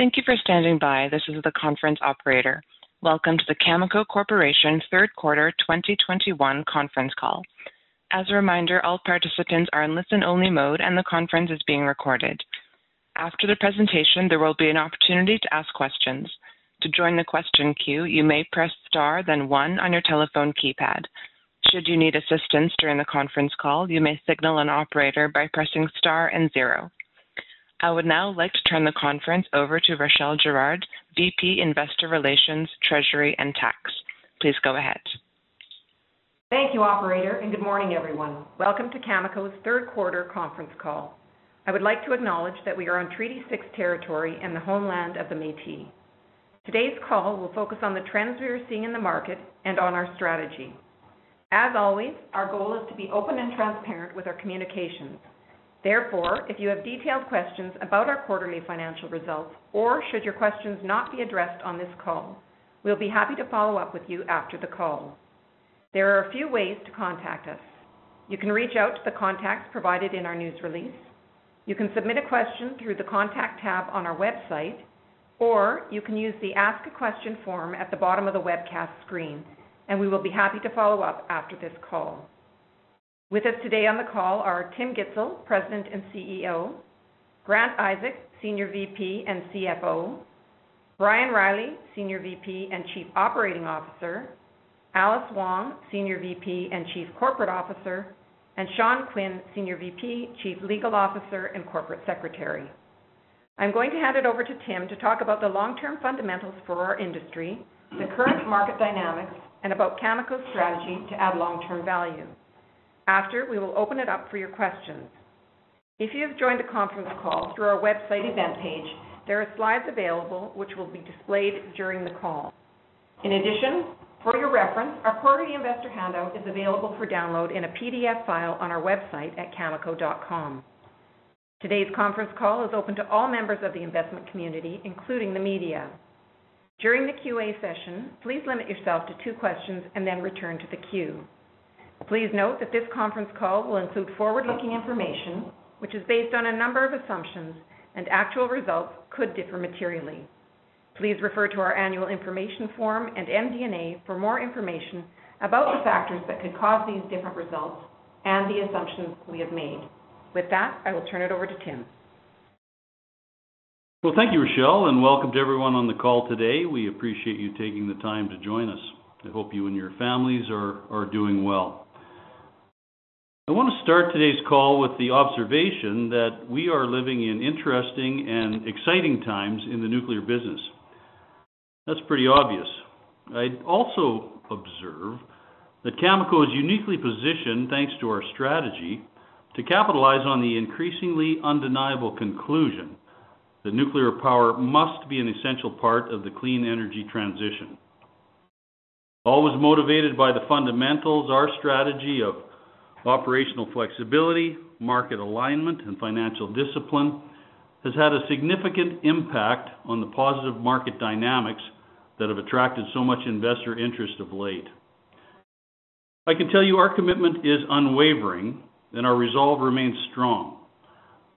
Thank you for standing by. This is the conference operator. Welcome to the Cameco Corporation third quarter 2021 conference call. As a reminder, all participants are in listen-only mode and the conference is being recorded. After the presentation, there will be an opportunity to ask questions. To join the question queue, you may press star then one on your telephone keypad. Should you need assistance during the conference call, you may signal an operator by pressing star and zero. I would now like to turn the conference over to Rachelle Girard, VP, Investor Relations, Treasury and Tax. Please go ahead. Thank you, operator, and good morning, everyone. Welcome to Cameco's third quarter conference call. I would like to acknowledge that we are on Treaty 6 territory in the homeland of the Métis. Today's call will focus on the trends we are seeing in the market and on our strategy. As always, our goal is to be open and transparent with our communications. Therefore, if you have detailed questions about our quarterly financial results, or should your questions not be addressed on this call, we'll be happy to follow up with you after the call. There are a few ways to contact us. You can reach out to the contacts provided in our news release. You can submit a question through the Contact tab on our website, or you can use the Ask a Question form at the bottom of the webcast screen, and we will be happy to follow up after this call. With us today on the call are Tim Gitzel, President and CEO, Grant Isaac, Senior VP and CFO, Brian Reilly, Senior VP and Chief Operating Officer, Alice Wong, Senior VP and Chief Corporate Officer, and Sean Quinn, Senior VP, Chief Legal Officer, and Corporate Secretary. I'm going to hand it over to Tim to talk about the long-term fundamentals for our industry, the current market dynamics, and about Cameco's strategy to add long-term value. After, we will open it up for your questions. If you have joined the conference call through our website event page, there are slides available which will be displayed during the call. In addition, for your reference, our quarterly investor handout is available for download in a PDF file on our website at cameco.com. Today's conference call is open to all members of the investment community, including the media. During the Q&A session, please limit yourself to two questions and then return to the queue. Please note that this conference call will include forward-looking information, which is based on a number of assumptions and actual results could differ materially. Please refer to our annual information form and MD&A for more information about the factors that could cause these different results and the assumptions we have made. With that, I will turn it over to Tim. Well, thank you, Rachelle, and welcome to everyone on the call today. We appreciate you taking the time to join us. I hope you and your families are doing well. I want to start today's call with the observation that we are living in interesting and exciting times in the nuclear business. That's pretty obvious. I'd also observe that Cameco is uniquely positioned, thanks to our strategy, to capitalize on the increasingly undeniable conclusion that nuclear power must be an essential part of the clean energy transition. Always motivated by the fundamentals, our strategy of operational flexibility, market alignment, and financial discipline has had a significant impact on the positive market dynamics that have attracted so much investor interest of late. I can tell you our commitment is unwavering, and our resolve remains strong.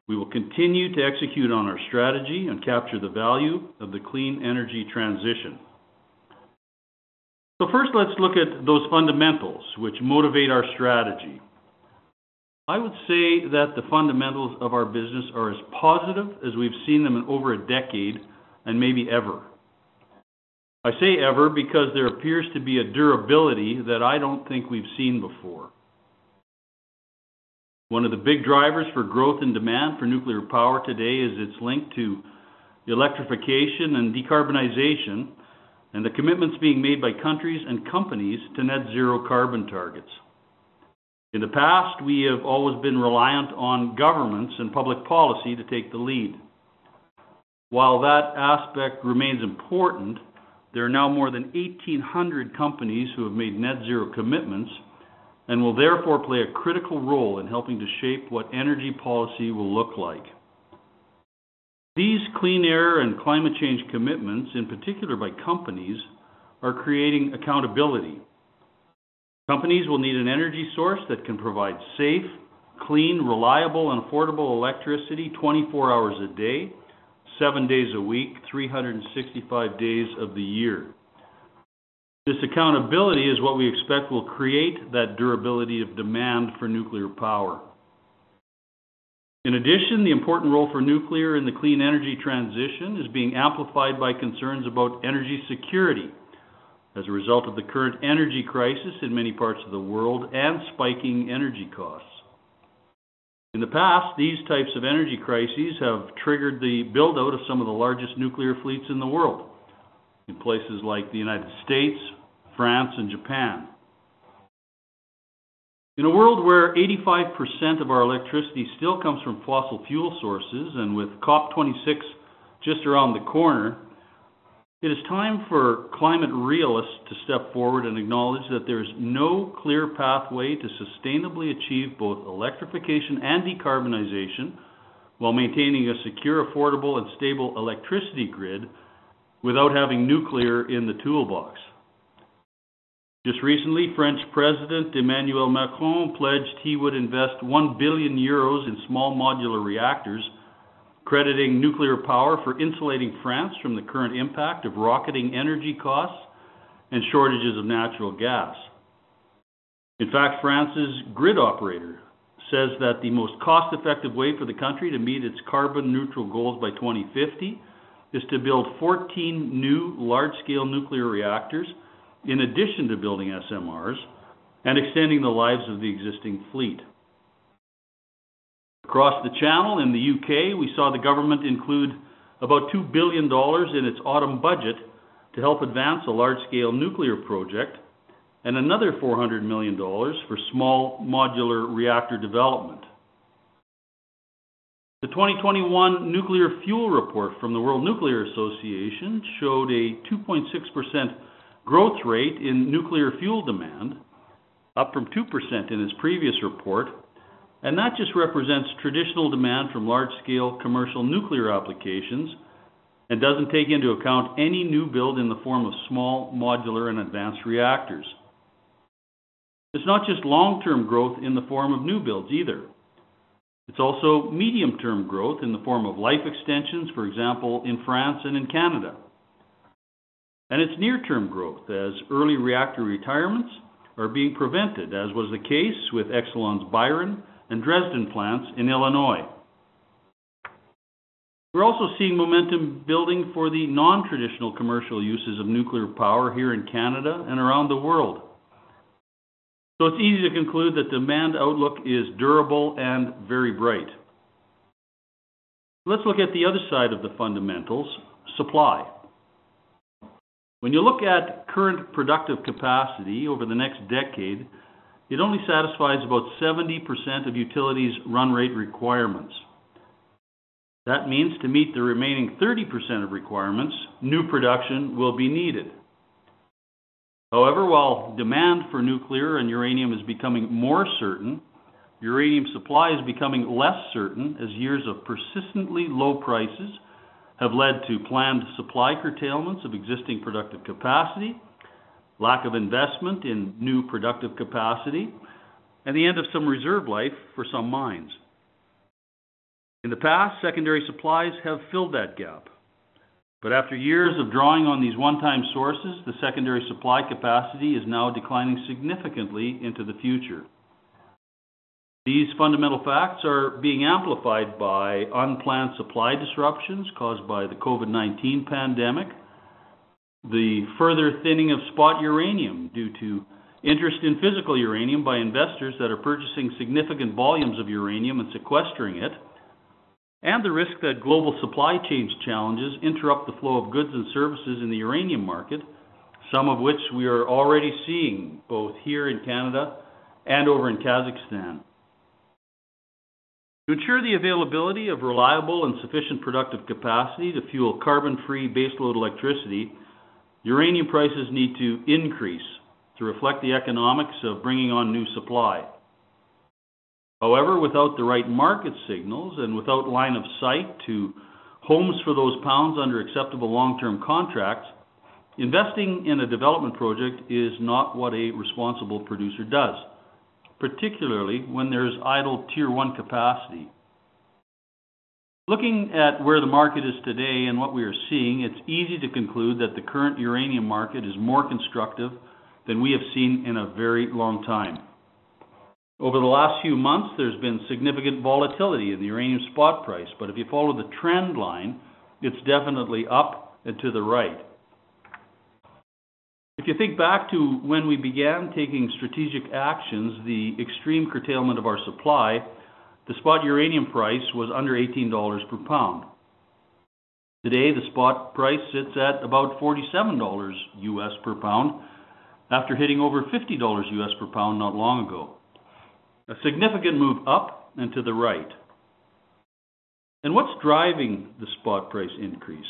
We will continue to execute on our strategy and capture the value of the clean energy transition. First, let's look at those fundamentals which motivate our strategy. I would say that the fundamentals of our business are as positive as we've seen them in over a decade and maybe ever. I say ever because there appears to be a durability that I don't think we've seen before. One of the big drivers for growth and demand for nuclear power today is its link to the electrification and decarbonization and the commitments being made by countries and companies to net zero carbon targets. In the past, we have always been reliant on governments and public policy to take the lead. While that aspect remains important, there are now more than 1,800 companies who have made net zero commitments and will therefore play a critical role in helping to shape what energy policy will look like. These clean air and climate change commitments, in particular by companies, are creating accountability. Companies will need an energy source that can provide safe, clean, reliable, and affordable electricity 24 hours a day, 7 days a week, 365 days of the year. This accountability is what we expect will create that durability of demand for nuclear power. In addition, the important role for nuclear in the clean energy transition is being amplified by concerns about energy security as a result of the current energy crisis in many parts of the world and spiking energy costs. In the past, these types of energy crises have triggered the build-out of some of the largest nuclear fleets in the world in places like the United States, France, and Japan. In a world where 85% of our electricity still comes from fossil fuel sources and with COP26 just around the corner, it is time for climate realists to step forward and acknowledge that there is no clear pathway to sustainably achieve both electrification and decarbonization while maintaining a secure, affordable, and stable electricity grid without having nuclear in the toolbox. Just recently, French President Emmanuel Macron pledged he would invest 1 billion euros in small modular reactors, crediting nuclear power for insulating France from the current impact of rocketing energy costs and shortages of natural gas. In fact, France's grid operator says that the most cost-effective way for the country to meet its carbon neutral goals by 2050 is to build 14 new large-scale nuclear reactors in addition to building SMRs and extending the lives of the existing fleet. Across the channel in the U.K., we saw the government include about 2 billion dollars in its autumn budget to help advance a large-scale nuclear project and another 400 million dollars for small modular reactor development. The 2021 Nuclear Fuel Report from the World Nuclear Association showed a 2.6% growth rate in nuclear fuel demand, up from 2% in its previous report. That just represents traditional demand from large-scale commercial nuclear applications and doesn't take into account any new build in the form of small, modular, and advanced reactors. It's not just long-term growth in the form of new builds either. It's also medium-term growth in the form of life extensions, for example, in France and in Canada. It's near-term growth as early reactor retirements are being prevented, as was the case with Exelon's Byron and Dresden plants in Illinois. We're also seeing momentum building for the non-traditional commercial uses of nuclear power here in Canada and around the world. It's easy to conclude the demand outlook is durable and very bright. Let's look at the other side of the fundamentals, supply. When you look at current productive capacity over the next decade, it only satisfies about 70% of utilities' run rate requirements. That means to meet the remaining 30% of requirements, new production will be needed. However, while demand for nuclear and uranium is becoming more certain, uranium supply is becoming less certain as years of persistently low prices have led to planned supply curtailments of existing productive capacity, lack of investment in new productive capacity, and the end of some reserve life for some mines. In the past, secondary supplies have filled that gap. After years of drawing on these one-time sources, the secondary supply capacity is now declining significantly into the future. These fundamental facts are being amplified by unplanned supply disruptions caused by the COVID-19 pandemic, the further thinning of spot uranium due to interest in physical uranium by investors that are purchasing significant volumes of uranium and sequestering it, and the risk that global supply chains challenges interrupt the flow of goods and services in the uranium market, some of which we are already seeing, both here in Canada and over in Kazakhstan. To ensure the availability of reliable and sufficient productive capacity to fuel carbon-free baseload electricity, uranium prices need to increase to reflect the economics of bringing on new supply. However, without the right market signals and without line of sight to homes for those pounds under acceptable long-term contracts, investing in a development project is not what a responsible producer does, particularly when there's idle tier one capacity. Looking at where the market is today and what we are seeing, it's easy to conclude that the current uranium market is more constructive than we have seen in a very long time. Over the last few months, there's been significant volatility in the uranium spot price, but if you follow the trend line, it's definitely up and to the right. If you think back to when we began taking strategic actions, the extreme curtailment of our supply, the spot uranium price was under $18 per pound. Today, the spot price sits at about $ 47 per pound after hitting over $50 per pound not long ago. A significant move up and to the right. What's driving the spot price increase?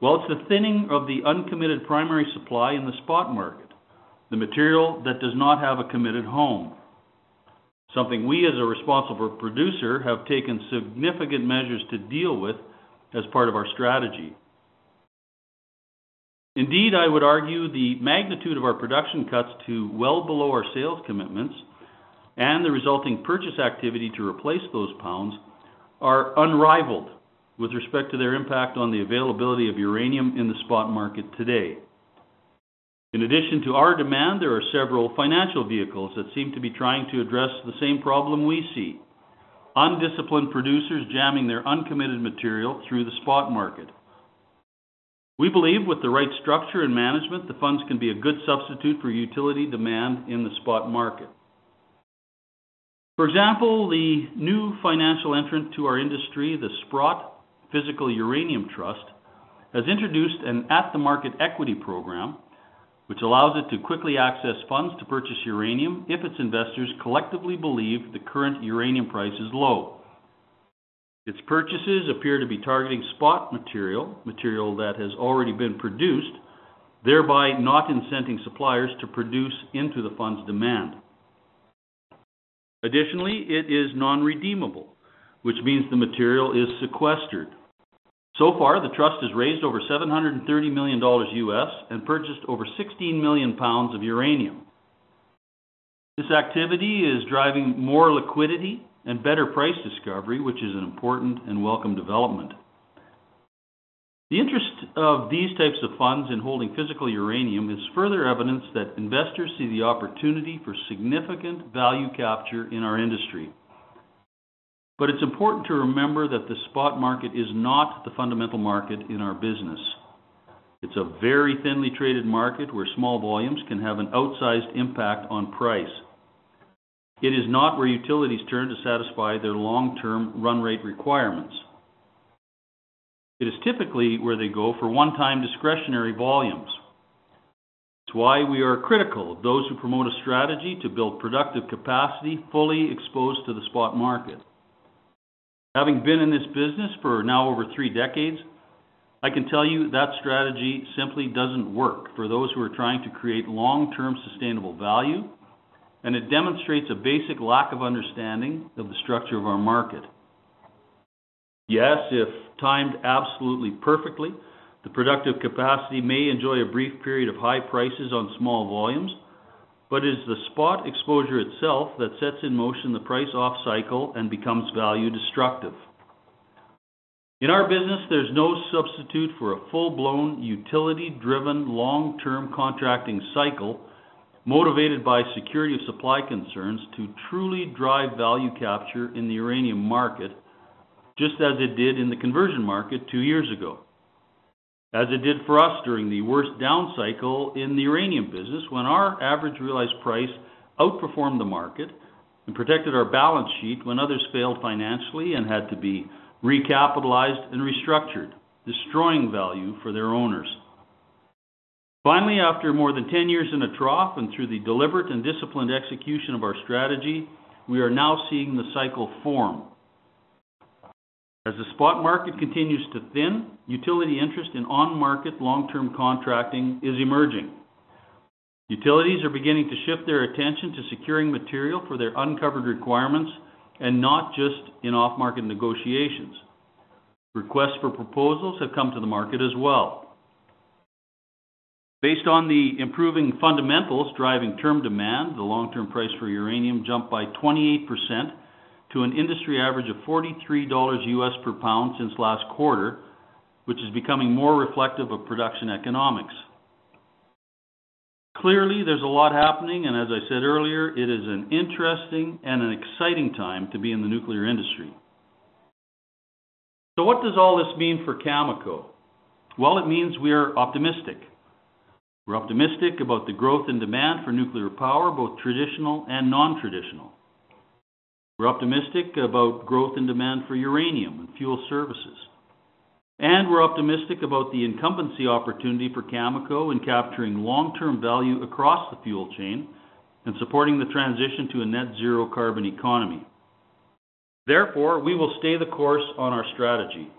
Well, it's the thinning of the uncommitted primary supply in the spot market, the material that does not have a committed home. Something we, as a responsible producer, have taken significant measures to deal with as part of our strategy. Indeed, I would argue the magnitude of our production cuts to well below our sales commitments and the resulting purchase activity to replace those pounds are unrivaled with respect to their impact on the availability of uranium in the spot market today. In addition to our demand, there are several financial vehicles that seem to be trying to address the same problem we see: undisciplined producers jamming their uncommitted material through the spot market. We believe with the right structure and management, the funds can be a good substitute for utility demand in the spot market. For example, the new financial entrant to our industry, the Sprott Physical Uranium Trust, has introduced an at-the-market equity program, which allows it to quickly access funds to purchase uranium if its investors collectively believe the current uranium price is low. Its purchases appear to be targeting spot material that has already been produced, thereby not incenting suppliers to produce into the fund's demand. Additionally, it is non-redeemable, which means the material is sequestered. So far, the trust has raised over $730 million and purchased over 16 million pounds of uranium. This activity is driving more liquidity and better price discovery, which is an important and welcome development. The interest of these types of funds in holding physical uranium is further evidence that investors see the opportunity for significant value capture in our industry. It's important to remember that the spot market is not the fundamental market in our business. It's a very thinly traded market where small volumes can have an outsized impact on price. It is not where utilities turn to satisfy their long-term run rate requirements. It is typically where they go for one-time discretionary volumes. It's why we are critical of those who promote a strategy to build productive capacity fully exposed to the spot market. Having been in this business for now over three decades, I can tell you that strategy simply doesn't work for those who are trying to create long-term sustainable value, and it demonstrates a basic lack of understanding of the structure of our market. Yes, if timed absolutely perfectly, the productive capacity may enjoy a brief period of high prices on small volumes, but it's the spot exposure itself that sets in motion the price off-cycle and becomes value destructive. In our business, there's no substitute for a full-blown utility-driven long-term contracting cycle motivated by security of supply concerns to truly drive value capture in the uranium market, just as it did in the conversion market two years ago. As it did for us during the worst down cycle in the uranium business, when our average realized price outperformed the market and protected our balance sheet when others failed financially and had to be recapitalized and restructured, destroying value for their owners. Finally, after more than 10 years in a trough and through the deliberate and disciplined execution of our strategy, we are now seeing the cycle form. As the spot market continues to thin, utility interest in on-market long-term contracting is emerging. Utilities are beginning to shift their attention to securing material for their uncovered requirements and not just in off-market negotiations. Requests for proposals have come to the market as well. Based on the improving fundamentals driving term demand, the long-term price for uranium jumped by 28% to an industry average of $43 per pound since last quarter, which is becoming more reflective of production economics. Clearly, there's a lot happening, and as I said earlier, it is an interesting and an exciting time to be in the nuclear industry. What does all this mean for Cameco? Well, it means we are optimistic. We're optimistic about the growth and demand for nuclear power, both traditional and non-traditional. We're optimistic about growth and demand for uranium and fuel services. We're optimistic about the incumbency opportunity for Cameco in capturing long-term value across the fuel chain and supporting the transition to a net zero carbon economy. Therefore, we will stay the course on our strategy.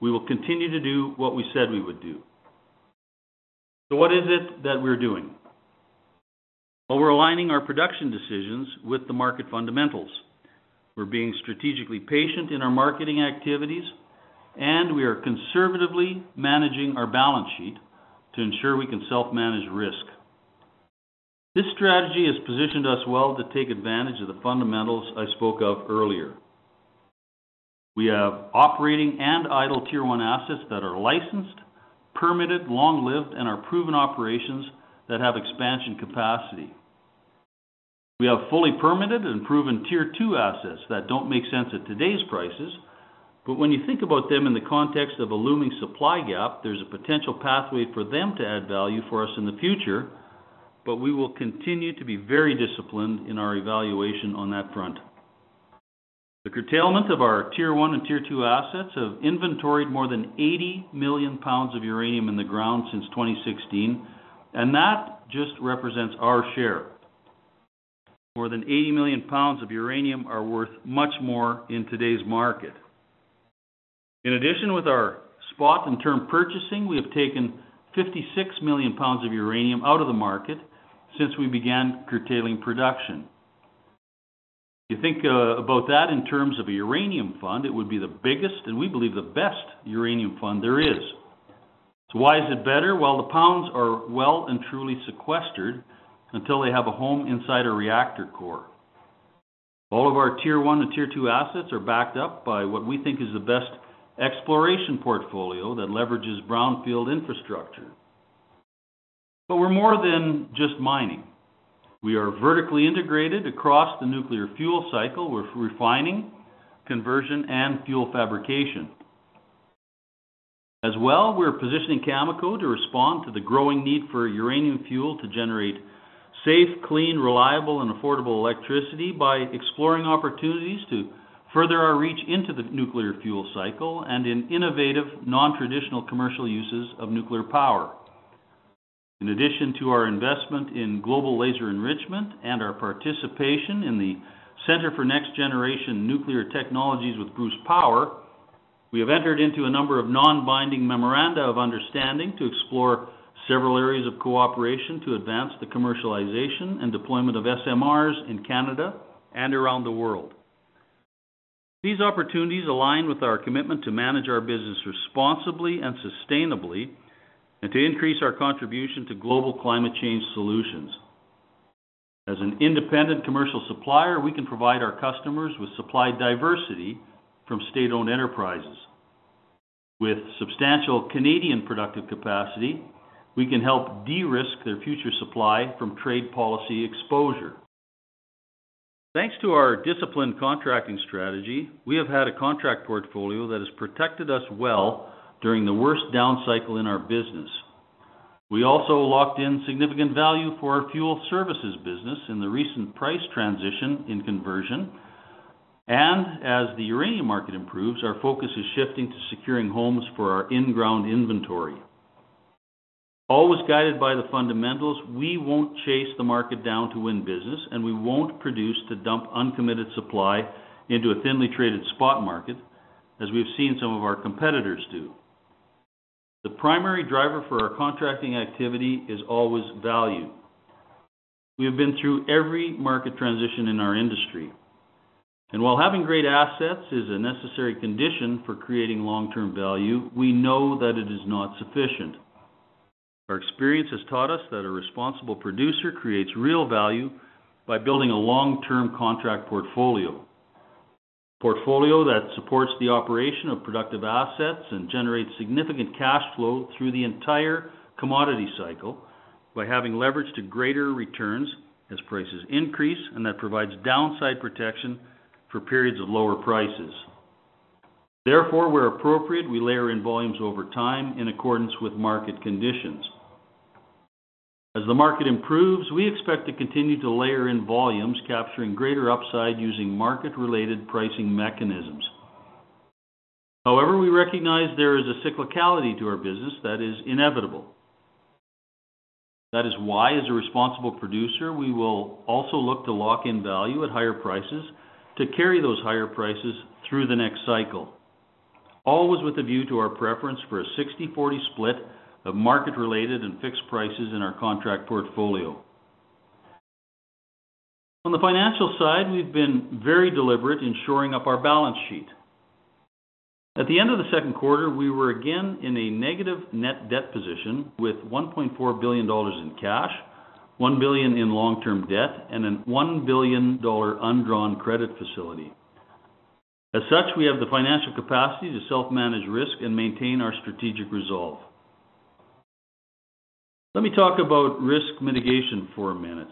We will continue to do what we said we would do. What is it that we're doing? Well, we're aligning our production decisions with the market fundamentals. We're being strategically patient in our marketing activities, and we are conservatively managing our balance sheet to ensure we can self-manage risk. This strategy has positioned us well to take advantage of the fundamentals I spoke of earlier. We have operating and idle tier-one assets that are licensed, permitted, long-lived, and are proven operations that have expansion capacity. We have fully permitted and proven tier two assets that don't make sense at today's prices. When you think about them in the context of a looming supply gap, there's a potential pathway for them to add value for us in the future. We will continue to be very disciplined in our evaluation on that front. The curtailment of our tier-one and tier-two assets have inventoried more than 80 million pounds of uranium in the ground since 2016, and that just represents our share. More than 80 million pounds of uranium are worth much more in today's market. In addition, with our spot and term purchasing, we have taken 56 million pounds of uranium out of the market since we began curtailing production. If you think about that in terms of a uranium fund, it would be the biggest, and we believe the best uranium fund there is. Why is it better? Well, the pounds are well and truly sequestered until they have a home inside a reactor core. All of our tier-one and tier-two assets are backed up by what we think is the best exploration portfolio that leverages brownfield infrastructure. We're more than just mining. We are vertically integrated across the nuclear fuel cycle. We're refining, conversion, and fuel fabrication. As well, we're positioning Cameco to respond to the growing need for uranium fuel to generate safe, clean, reliable, and affordable electricity by exploring opportunities to further our reach into the nuclear fuel cycle and in innovative, non-traditional commercial uses of nuclear power. In addition to our investment in Global Laser Enrichment and our participation in the Centre for Next Generation Nuclear Technologies with Bruce Power. We have entered into a number of non-binding memoranda of understanding to explore several areas of cooperation to advance the commercialization and deployment of SMRs in Canada and around the world. These opportunities align with our commitment to manage our business responsibly and sustainably, and to increase our contribution to global climate change solutions. As an independent commercial supplier, we can provide our customers with supply diversity from state-owned enterprises. With substantial Canadian productive capacity, we can help de-risk their future supply from trade policy exposure. Thanks to our disciplined contracting strategy, we have had a contract portfolio that has protected us well during the worst down cycle in our business. We also locked in significant value for our fuel services business in the recent price transition in conversion. As the uranium market improves, our focus is shifting to securing homes for our in-ground inventory. Always guided by the fundamentals, we won't chase the market down to win business, and we won't produce to dump uncommitted supply into a thinly traded spot market, as we've seen some of our competitors do. The primary driver for our contracting activity is always value. We have been through every market transition in our industry, and while having great assets is a necessary condition for creating long-term value, we know that it is not sufficient. Our experience has taught us that a responsible producer creates real value by building a long-term contract portfolio, a portfolio that supports the operation of productive assets and generates significant cash flow through the entire commodity cycle by having leverage to greater returns as prices increase, and that provides downside protection for periods of lower prices. Therefore, where appropriate, we layer in volumes over time in accordance with market conditions. As the market improves, we expect to continue to layer in volumes, capturing greater upside using market-related pricing mechanisms. However, we recognize there is a cyclicality to our business that is inevitable. That is why, as a responsible producer, we will also look to lock in value at higher prices to carry those higher prices through the next cycle, always with a view to our preference for a 60/40 split of market-related and fixed prices in our contract portfolio. On the financial side, we've been very deliberate in shoring up our balance sheet. At the end of the second quarter, we were again in a negative net debt position with 1.4 billion dollars in cash, 1 billion in long-term debt, and a 1 billion dollar undrawn credit facility. As such, we have the financial capacity to self-manage risk and maintain our strategic resolve. Let me talk about risk mitigation for a minute.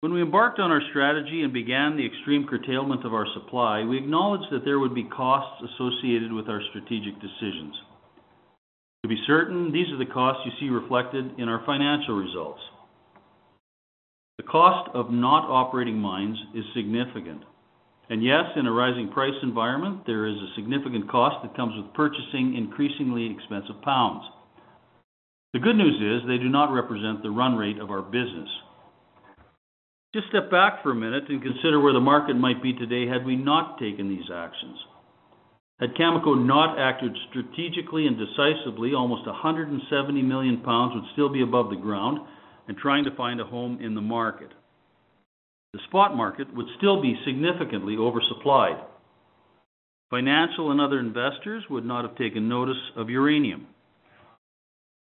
When we embarked on our strategy and began the extreme curtailment of our supply, we acknowledged that there would be costs associated with our strategic decisions. To be certain, these are the costs you see reflected in our financial results. The cost of not operating mines is significant. Yes, in a rising price environment, there is a significant cost that comes with purchasing increasingly expensive pounds. The good news is they do not represent the run rate of our business. Just step back for a minute and consider where the market might be today had we not taken these actions. Had Cameco not acted strategically and decisively, almost 170 million pounds would still be above the ground and trying to find a home in the market. The spot market would still be significantly oversupplied. Financial and other investors would not have taken notice of uranium.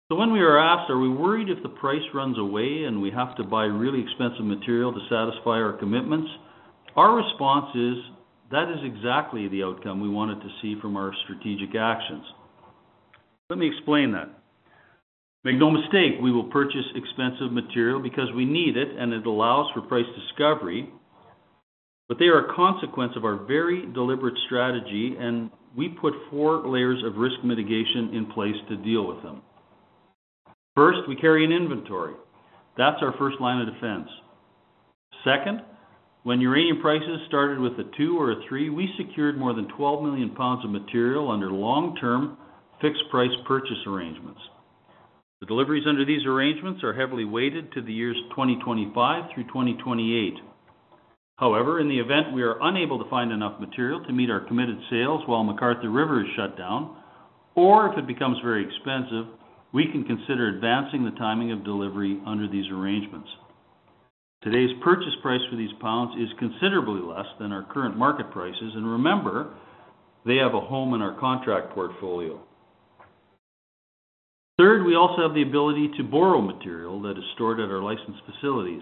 When we are asked, are we worried if the price runs away and we have to buy really expensive material to satisfy our commitments, our response is, "That is exactly the outcome we wanted to see from our strategic actions." Let me explain that. Make no mistake, we will purchase expensive material because we need it and it allows for price discovery. They are a consequence of our very deliberate strategy, and we put four layers of risk mitigation in place to deal with them. First, we carry an inventory. That's our first line of defense. Second, when uranium prices started with a 2 or a 3, we secured more than 12 million pounds of material under long-term fixed price purchase arrangements. The deliveries under these arrangements are heavily weighted to the years 2025 through 2028. However, in the event we are unable to find enough material to meet our committed sales while McArthur River is shut down, or if it becomes very expensive, we can consider advancing the timing of delivery under these arrangements. Today's purchase price for these pounds is considerably less than our current market prices. Remember, they have a home in our contract portfolio. Third, we also have the ability to borrow material that is stored at our licensed facilities.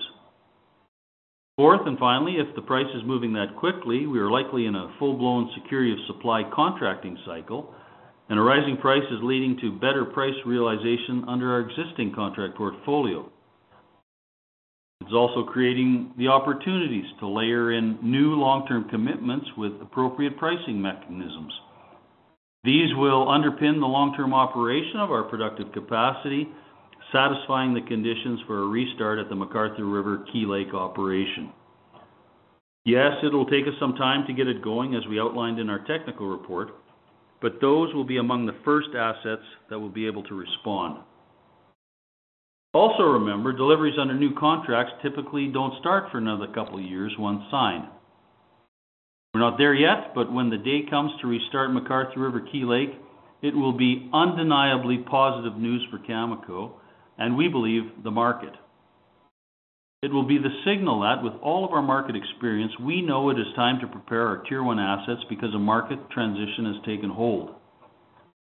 Fourth, and finally, if the price is moving that quickly, we are likely in a full-blown security of supply contracting cycle, and a rising price is leading to better price realization under our existing contract portfolio. It's also creating the opportunities to layer in new long-term commitments with appropriate pricing mechanisms. These will underpin the long-term operation of our productive capacity, satisfying the conditions for a restart at the McArthur River/Key Lake operation. Yes, it will take us some time to get it going, as we outlined in our technical report, but those will be among the first assets that will be able to respond. Also remember, deliveries under new contracts typically don't start for another couple of years once signed. We're not there yet, but when the day comes to restart McArthur River/Key Lake, it will be undeniably positive news for Cameco, and we believe the market. It will be the signal that with all of our market experience, we know it is time to prepare our tier-one assets because a market transition has taken hold.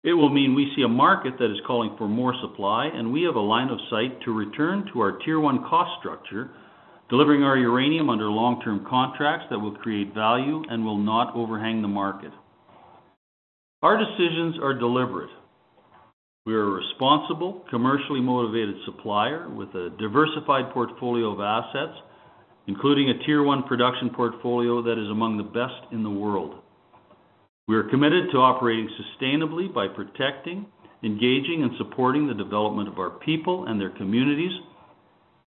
It will mean we see a market that is calling for more supply, and we have a line of sight to return to our tier one cost structure, delivering our uranium under long-term contracts that will create value and will not overhang the market. Our decisions are deliberate. We are a responsible, commercially motivated supplier with a diversified portfolio of assets, including a tier-one production portfolio that is among the best in the world. We are committed to operating sustainably by protecting, engaging, and supporting the development of our people and their communities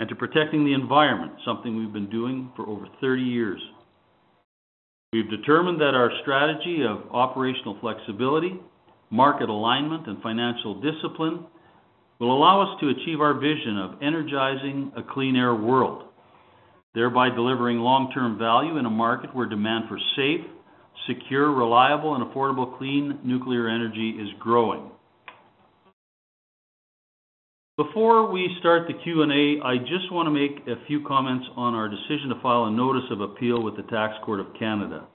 and to protecting the environment, something we've been doing for over 30 years. We've determined that our strategy of operational flexibility, market alignment, and financial discipline will allow us to achieve our vision of energizing a clean air world, thereby delivering long-term value in a market where demand for safe, secure, reliable, and affordable clean nuclear energy is growing. Before we start the Q&A, I just want to make a few comments on our decision to file a notice of appeal with the Tax Court of Canada.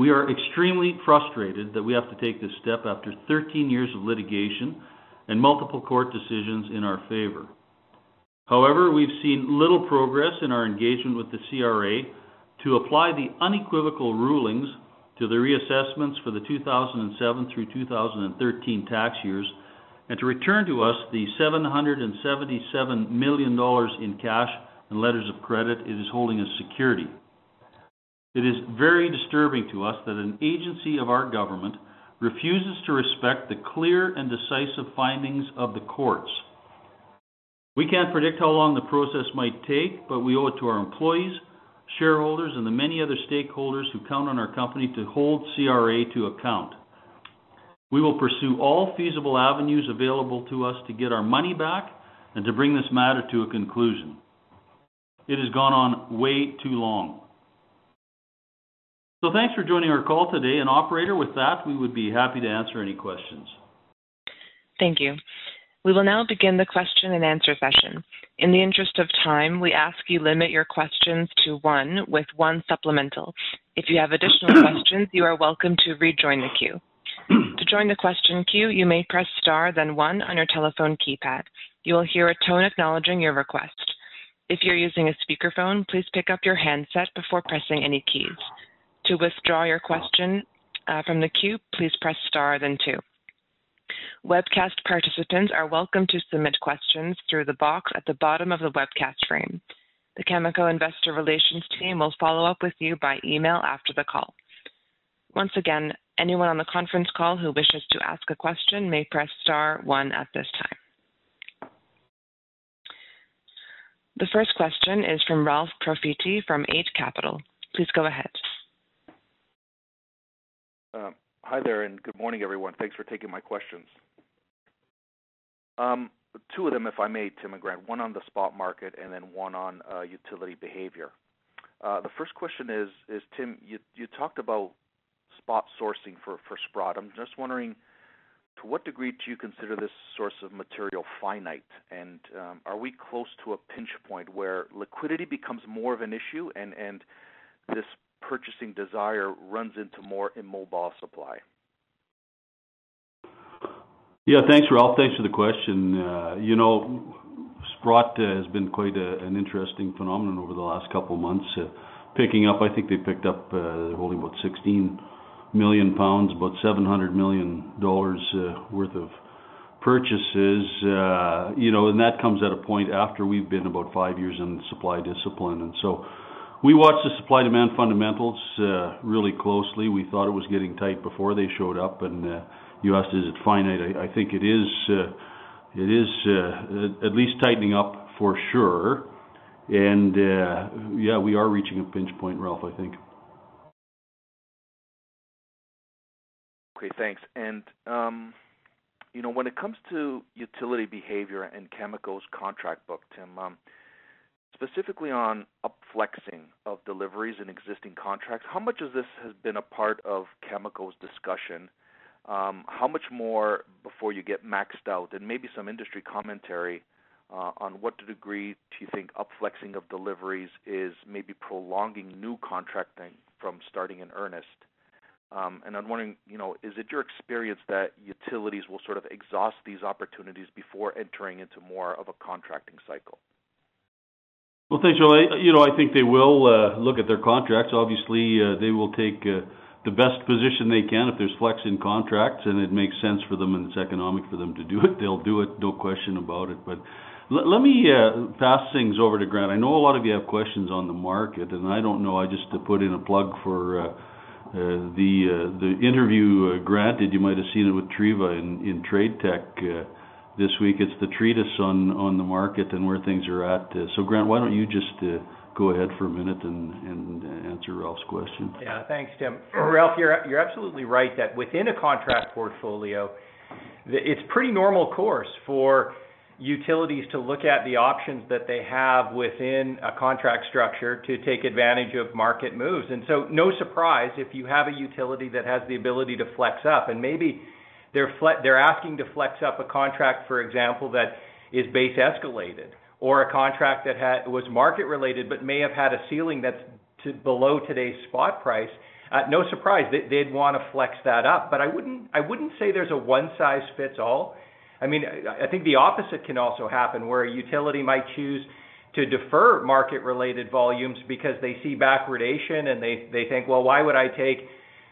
We are extremely frustrated that we have to take this step after 13 years of litigation and multiple court decisions in our favor. However, we've seen little progress in our engagement with the CRA to apply the unequivocal rulings to the reassessments for the 2007 through 2013 tax years and to return to us the 777 million dollars in cash and letters of credit it is holding as security. It is very disturbing to us that an agency of our government refuses to respect the clear and decisive findings of the courts. We can't predict how long the process might take, but we owe it to our employees, shareholders, and the many other stakeholders who count on our company to hold CRA to account. We will pursue all feasible avenues available to us to get our money back and to bring this matter to a conclusion. It has gone on way too long. Thanks for joining our call today. Operator, with that, we would be happy to answer any questions. Thank you. We will now begin the question-and-answer session. In the interest of time, we ask you limit your questions to one with one supplemental. If you have additional questions, you are welcome to rejoin the queue. To join the question queue, you may press star then one on your telephone keypad. You will hear a tone acknowledging your request. If you're using a speakerphone, please pick up your handset before pressing any keys. To withdraw your question from the queue, please press star then two. Webcast participants are welcome to submit questions through the box at the bottom of the webcast frame. The Cameco investor relations team will follow up with you by email after the call. Once again, anyone on the conference call who wishes to ask a question may press star one at this time. The first question is from Ralph Profiti from Eight Capital. Please go ahead. Hi there, and good morning, everyone. Thanks for taking my questions. Two of them, if I may, Tim and Grant, one on the spot market and then one on utility behavior. The first question is, Tim, you talked about spot sourcing for Sprott. I'm just wondering, to what degree do you consider this source of material finite? And are we close to a pinch point where liquidity becomes more of an issue and this purchasing desire runs into more immobile supply? Yeah. Thanks, Ralph. Thanks for the question. You know, Sprott has been quite an interesting phenomenon over the last couple of months, picking up. I think they picked up only what? 16 million pounds, about 700 million dollars worth of purchases. You know, that comes at a point after we've been about five years in supply discipline. We watch the supply-demand fundamentals really closely. We thought it was getting tight before they showed up. You asked is it finite? I think it is, at least tightening up for sure. Yeah, we are reaching a pinch point, Ralph, I think. Okay, thanks. You know, when it comes to utility behavior and Cameco's contract book, Tim, specifically on up-flexing of deliveries in existing contracts, how much of this has been a part of Cameco's discussion? How much more before you get maxed out? Maybe some industry commentary on what degree do you think up-flexing of deliveries is maybe prolonging new contracting from starting in earnest? I'm wondering, you know, is it your experience that utilities will sort of exhaust these opportunities before entering into more of a contracting cycle? Well, thanks, Ralph. You know, I think they will look at their contracts. Obviously, they will take the best position they can if there's flex in contracts and it makes sense for them and it's economic for them to do it, they'll do it, no question about it. Let me pass things over to Grant. I know a lot of you have questions on the market, and I don't know, I just put in a plug for the interview Grant did. You might have seen it with Treva in TradeTech this week. It's the treatise on the market and where things are at. Grant, why don't you just go ahead for a minute and answer Ralph's question? Yeah. Thanks, Tim. Ralph, you're absolutely right that within a contract portfolio. It's pretty normal course for utilities to look at the options that they have within a contract structure to take advantage of market moves. No surprise if you have a utility that has the ability to flex up, and maybe they're asking to flex up a contract, for example, that is base escalated, or a contract that was market-related but may have had a ceiling that's two below today's spot price. No surprise they'd wanna flex that up. But I wouldn't say there's a one-size-fits-all. I mean, I think the opposite can also happen, where a utility might choose to defer market-related volumes because they see backwardation and they think, "Well, why would I take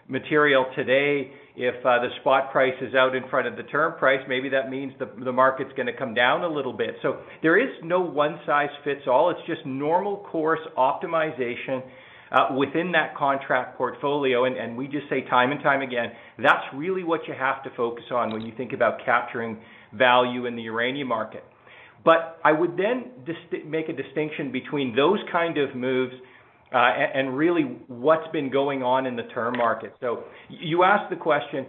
material today if the spot price is out in front of the term price? Maybe that means the market's gonna come down a little bit." There is no one-size-fits-all. It's just normal course optimization within that contract portfolio. We just say time and time again, that's really what you have to focus on when you think about capturing value in the uranium market. I would then make a distinction between those kind of moves and really what's been going on in the term market. You asked the question,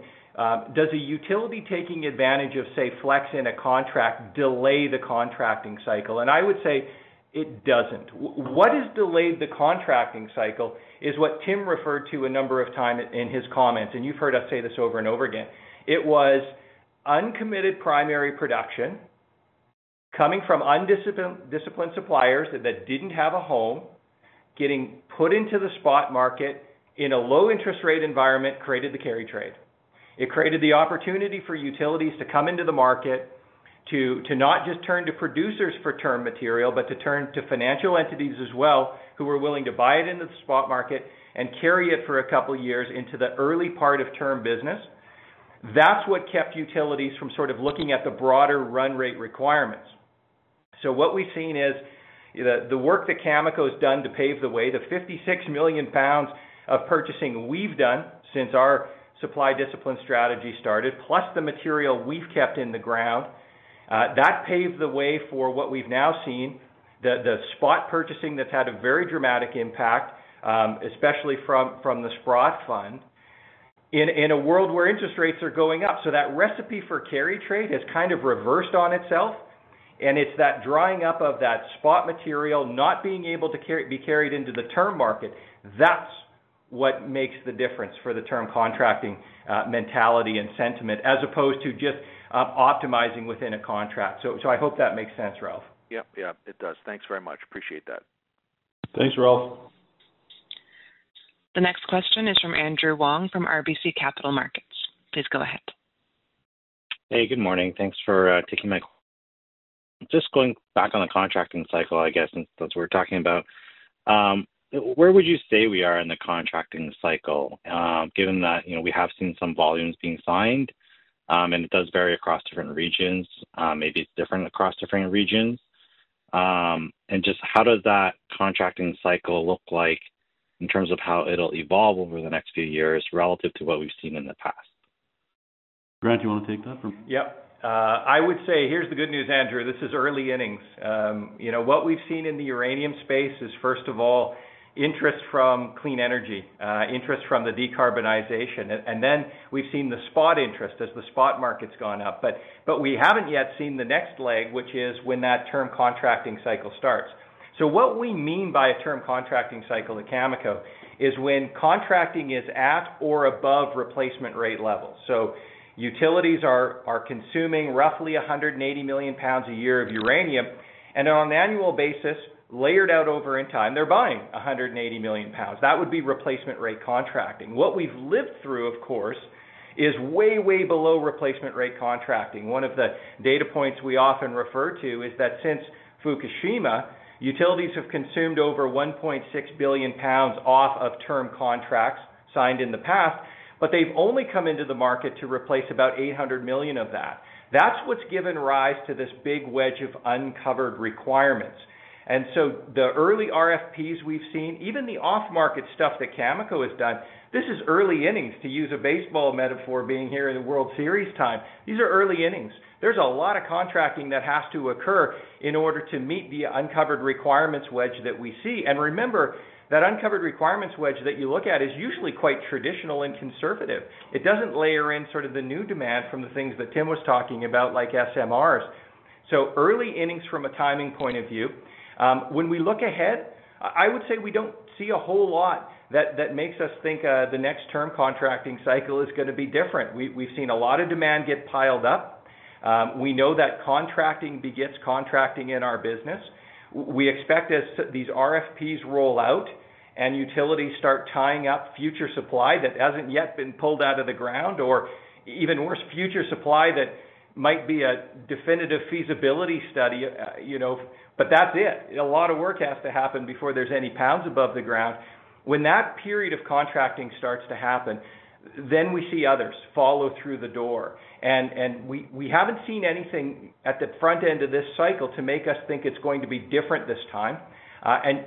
does a utility taking advantage of, say, flex in a contract delay the contracting cycle? I would say it doesn't. What has delayed the contracting cycle is what Tim referred to a number of times in his comments, and you've heard us say this over and over again. It was uncommitted primary production coming from undisciplined suppliers that didn't have a home, getting put into the spot market in a low interest rate environment, created the carry trade. It created the opportunity for utilities to come into the market to not just turn to producers for term material, but to turn to financial entities as well, who are willing to buy it into the spot market and carry it for a couple of years into the early part of term business. That's what kept utilities from sort of looking at the broader run rate requirements. What we've seen is the work that Cameco has done to pave the way, the 56 million pounds of purchasing we've done since our supply discipline strategy started, plus the material we've kept in the ground, that paved the way for what we've now seen, the spot purchasing that's had a very dramatic impact, especially from the Sprott Fund in a world where interest rates are going up. That recipe for carry trade has kind of reversed on itself, and it's that drying up of that spot material not being able to be carried into the term market, that's what makes the difference for the term contracting mentality and sentiment, as opposed to just optimizing within a contract. I hope that makes sense, Ralph. Yep. Yep, it does. Thanks very much. Appreciate that. Thanks, Ralph. The next question is from Andrew Wong from RBC Capital Markets. Please go ahead. Hey, good morning. Thanks for taking my call. Just going back on the contracting cycle, I guess, since that's what we're talking about. Where would you say we are in the contracting cycle, given that, you know, we have seen some volumes being signed, and it does vary across different regions, maybe it's different across different regions. Just how does that contracting cycle look like in terms of how it'll evolve over the next few years relative to what we've seen in the past? Grant, do you wanna take that? Yep. I would say here's the good news, Andrew. This is early innings. You know, what we've seen in the uranium space is, first of all, interest from clean energy, interest from the decarbonization. And then we've seen the spot interest as the spot market's gone up. But we haven't yet seen the next leg, which is when that term contracting cycle starts. What we mean by a term contracting cycle at Cameco is when contracting is at or above replacement rate levels. Utilities are consuming roughly 180 million pounds a year of uranium, and on an annual basis, layered out over in time, they're buying 180 million pounds. That would be replacement rate contracting. What we've lived through, of course, is way below replacement rate contracting. One of the data points we often refer to is that since Fukushima, utilities have consumed over 1.6 billion pounds off of term contracts signed in the past, but they've only come into the market to replace about 800 million pounds of that. That's what's given rise to this big wedge of uncovered requirements. The early RFPs we've seen, even the off-market stuff that Cameco has done, this is early innings, to use a baseball metaphor, being here in the World Series time. These are early innings. There's a lot of contracting that has to occur in order to meet the uncovered requirements wedge that we see. Remember, that uncovered requirements wedge that you look at is usually quite traditional and conservative. It doesn't layer in sort of the new demand from the things that Tim was talking about, like SMRs. Early innings from a timing point of view. When we look ahead, I would say we don't see a whole lot that makes us think the next term contracting cycle is gonna be different. We've seen a lot of demand get piled up. We know that contracting begets contracting in our business. We expect as these RFPs roll out and utilities start tying up future supply that hasn't yet been pulled out of the ground or even worse, future supply that might be a definitive feasibility study, you know, but that's it. A lot of work has to happen before there's any pounds above the ground. When that period of contracting starts to happen, then we see others follow through the door. We haven't seen anything at the front end of this cycle to make us think it's going to be different this time.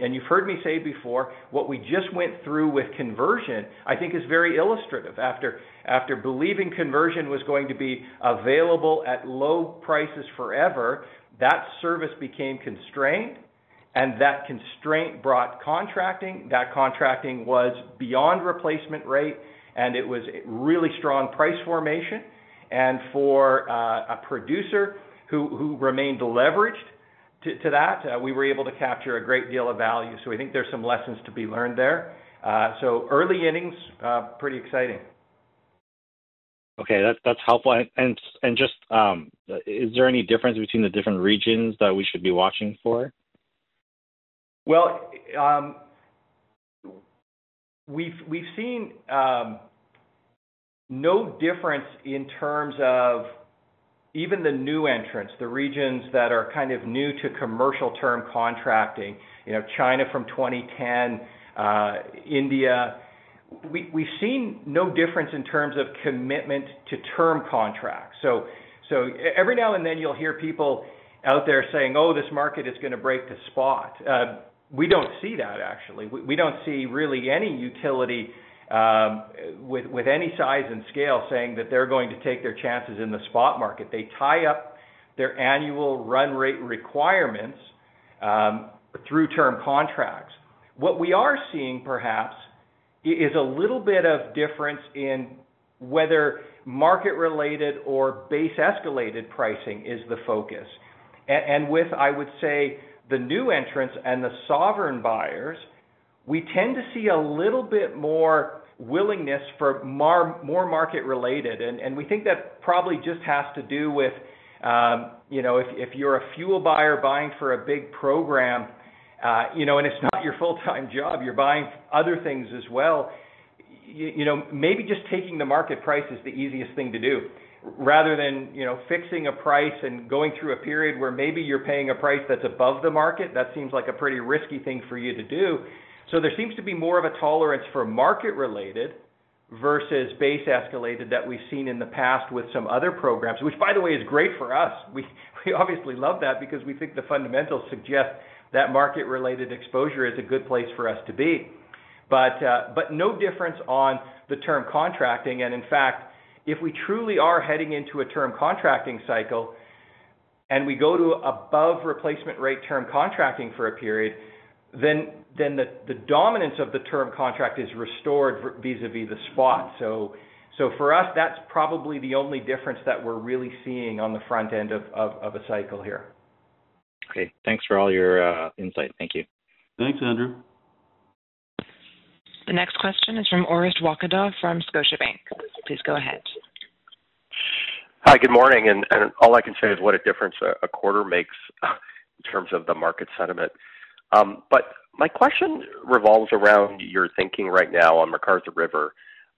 You've heard me say before what we just went through with conversion, I think is very illustrative. After believing conversion was going to be available at low prices forever, that service became constrained. That constraint brought contracting. That contracting was beyond replacement rate, and it was really strong price formation. For a producer who remained leveraged to that, we were able to capture a great deal of value. I think there's some lessons to be learned there. Early innings, pretty exciting. Okay, that's helpful. Just, is there any difference between the different regions that we should be watching for? Well, we've seen no difference in terms of even the new entrants, the regions that are kind of new to commercial term contracting, you know, China from 2010, India. We've seen no difference in terms of commitment to term contracts. Every now and then you'll hear people out there saying, "Oh, this market is going to break to spot." We don't see that actually. We don't see really any utility with any size and scale saying that they're going to take their chances in the spot market. They tie up their annual run rate requirements through term contracts. What we are seeing perhaps is a little bit of difference in whether market-related or base-escalated pricing is the focus. With, I would say, the new entrants and the sovereign buyers, we tend to see a little bit more willingness for more market-related. We think that probably just has to do with, you know, if you're a fuel buyer buying for a big program, you know, and it's not your full-time job, you're buying other things as well, you know, maybe just taking the market price is the easiest thing to do rather than, you know, fixing a price and going through a period where maybe you're paying a price that's above the market. That seems like a pretty risky thing for you to do. There seems to be more of a tolerance for market-related versus base-escalated that we've seen in the past with some other programs, which by the way, is great for us. We obviously love that because we think the fundamentals suggest that market-related exposure is a good place for us to be. No difference on the term contracting. In fact, if we truly are heading into a term contracting cycle and we go to above replacement rate term contracting for a period, then the dominance of the term contract is restored vis-à-vis the spot. For us, that's probably the only difference that we're really seeing on the front end of a cycle here. Okay. Thanks for all your insight. Thank you. Thanks, Andrew. The next question is from Orest Wowkodaw from Scotiabank. Please go ahead. Hi. Good morning. all I can say is what a difference a quarter makes in terms of the market sentiment. My question revolves around your thinking right now on McArthur River.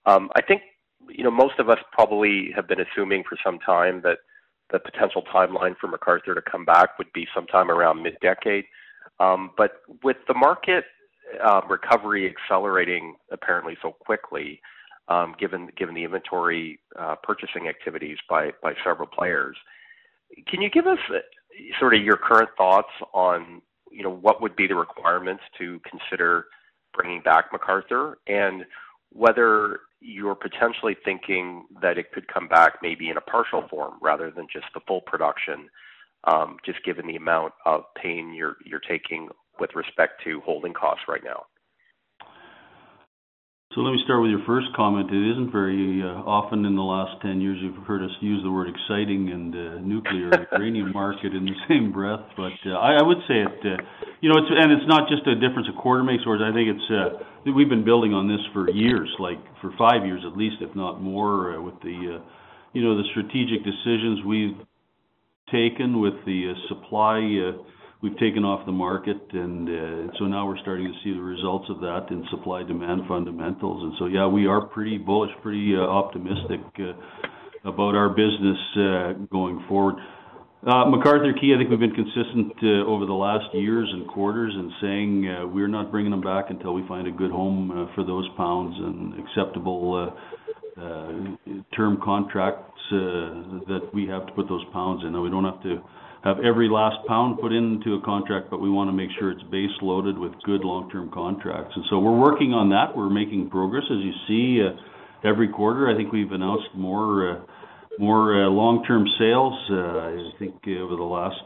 I think, you know, most of us probably have been assuming for some time that the potential timeline for McArthur to come back would be sometime around mid-decade. with the market recovery accelerating apparently so quickly, given the inventory purchasing activities by several players, can you give us sort of your current thoughts on, you know, what would be the requirements to consider bringing back McArthur? whether you're potentially thinking that it could come back maybe in a partial form rather than just the full production, just given the amount of pain you're taking with respect to holding costs right now. Let me start with your first comment. It isn't very often in the last 10 years you've heard us use the word exciting and nuclear or uranium market in the same breath. I would say it, you know, it's not just a difference a quarter makes, Orest. I think it's we've been building on this for years, like for 5 years at least, if not more, with the, you know, the strategic decisions we've taken with the supply we've taken off the market. Now we're starting to see the results of that in supply-demand fundamentals. Yeah, we are pretty bullish, pretty optimistic about our business going forward. McArthur River/Key Lake, I think we've been consistent over the last years and quarters in saying we're not bringing them back until we find a good home for those pounds and acceptable term contracts that we have to put those pounds in. Now we don't have to have every last pound put into a contract, but we want to make sure it's base loaded with good long-term contracts. We're working on that. We're making progress. As you see every quarter, I think we've announced more long-term sales. I think over the last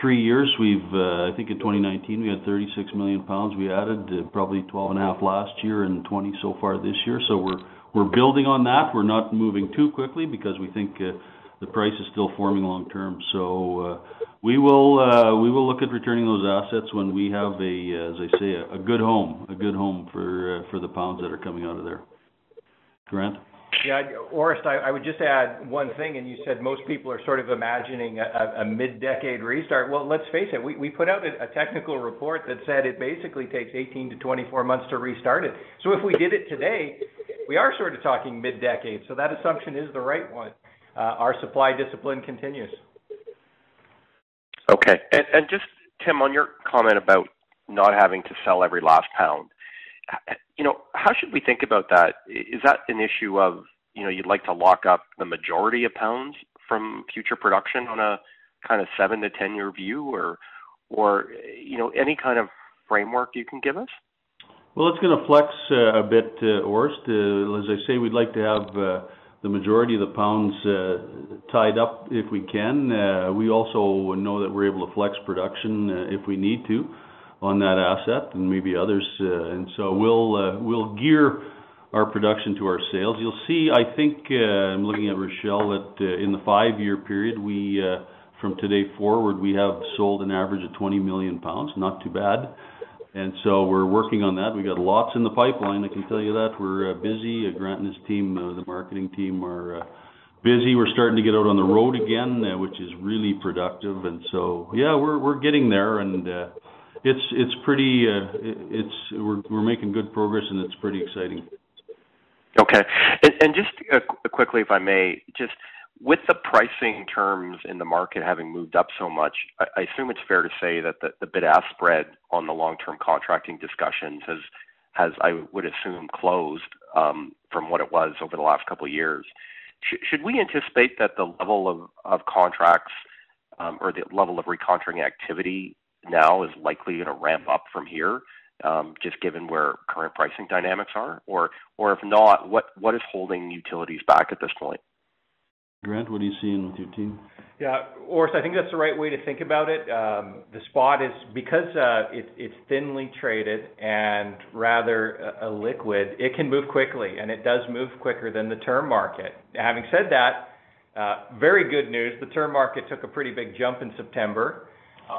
three years, we've I think in 2019, we had 36 million pounds we added, probably 12.5 million pounds last year and 20 million pounds so far this year. We're building on that. We're not moving too quickly because we think the price is still forming long term. We will look at returning those assets when we have, as I say, a good home for the pounds that are coming out of there. Grant? Yeah. Orest, I would just add one thing. You said most people are sort of imagining a mid-decade restart. Well, let's face it. We put out a technical report that said it basically takes 18-24 months to restart it. If we did it today, we are sort of talking mid-decade. That assumption is the right one. Our supply discipline continues. Okay. Just, Tim, on your comment about not having to sell every last pound, you know, how should we think about that? Is that an issue of, you know, you'd like to lock up the majority of pounds from future production on a kind of seven- to 10-year view or, you know, any kind of framework you can give us? Well, it's gonna flex a bit, Orest. As I say, we'd like to have the majority of the pounds tied up if we can. We also know that we're able to flex production if we need to on that asset and maybe others. We'll gear our production to our sales. You'll see, I think, I'm looking at Rachelle, that in the five-year period, we from today forward, we have sold an average of 20 million pounds. Not too bad. We're working on that. We got lots in the pipeline, I can tell you that. We're busy. Grant and his team, the marketing team are busy. We're starting to get out on the road again, which is really productive. Yeah, we're getting there, and we're making good progress and it's pretty exciting. Okay. Just quickly, if I may. Just with the pricing terms in the market having moved up so much, I assume it's fair to say that the bid-ask spread on the long-term contracting discussions has closed from what it was over the last couple of years. Should we anticipate that the level of contracts or the level of recontracting activity now is likely gonna ramp up from here just given where current pricing dynamics are? Or if not, what is holding utilities back at this point? Grant, what are you seeing with your team? Yeah. Orest, I think that's the right way to think about it. The spot is because it's thinly traded and illiquid, it can move quickly, and it does move quicker than the term market. Having said that, very good news, the term market took a pretty big jump in September,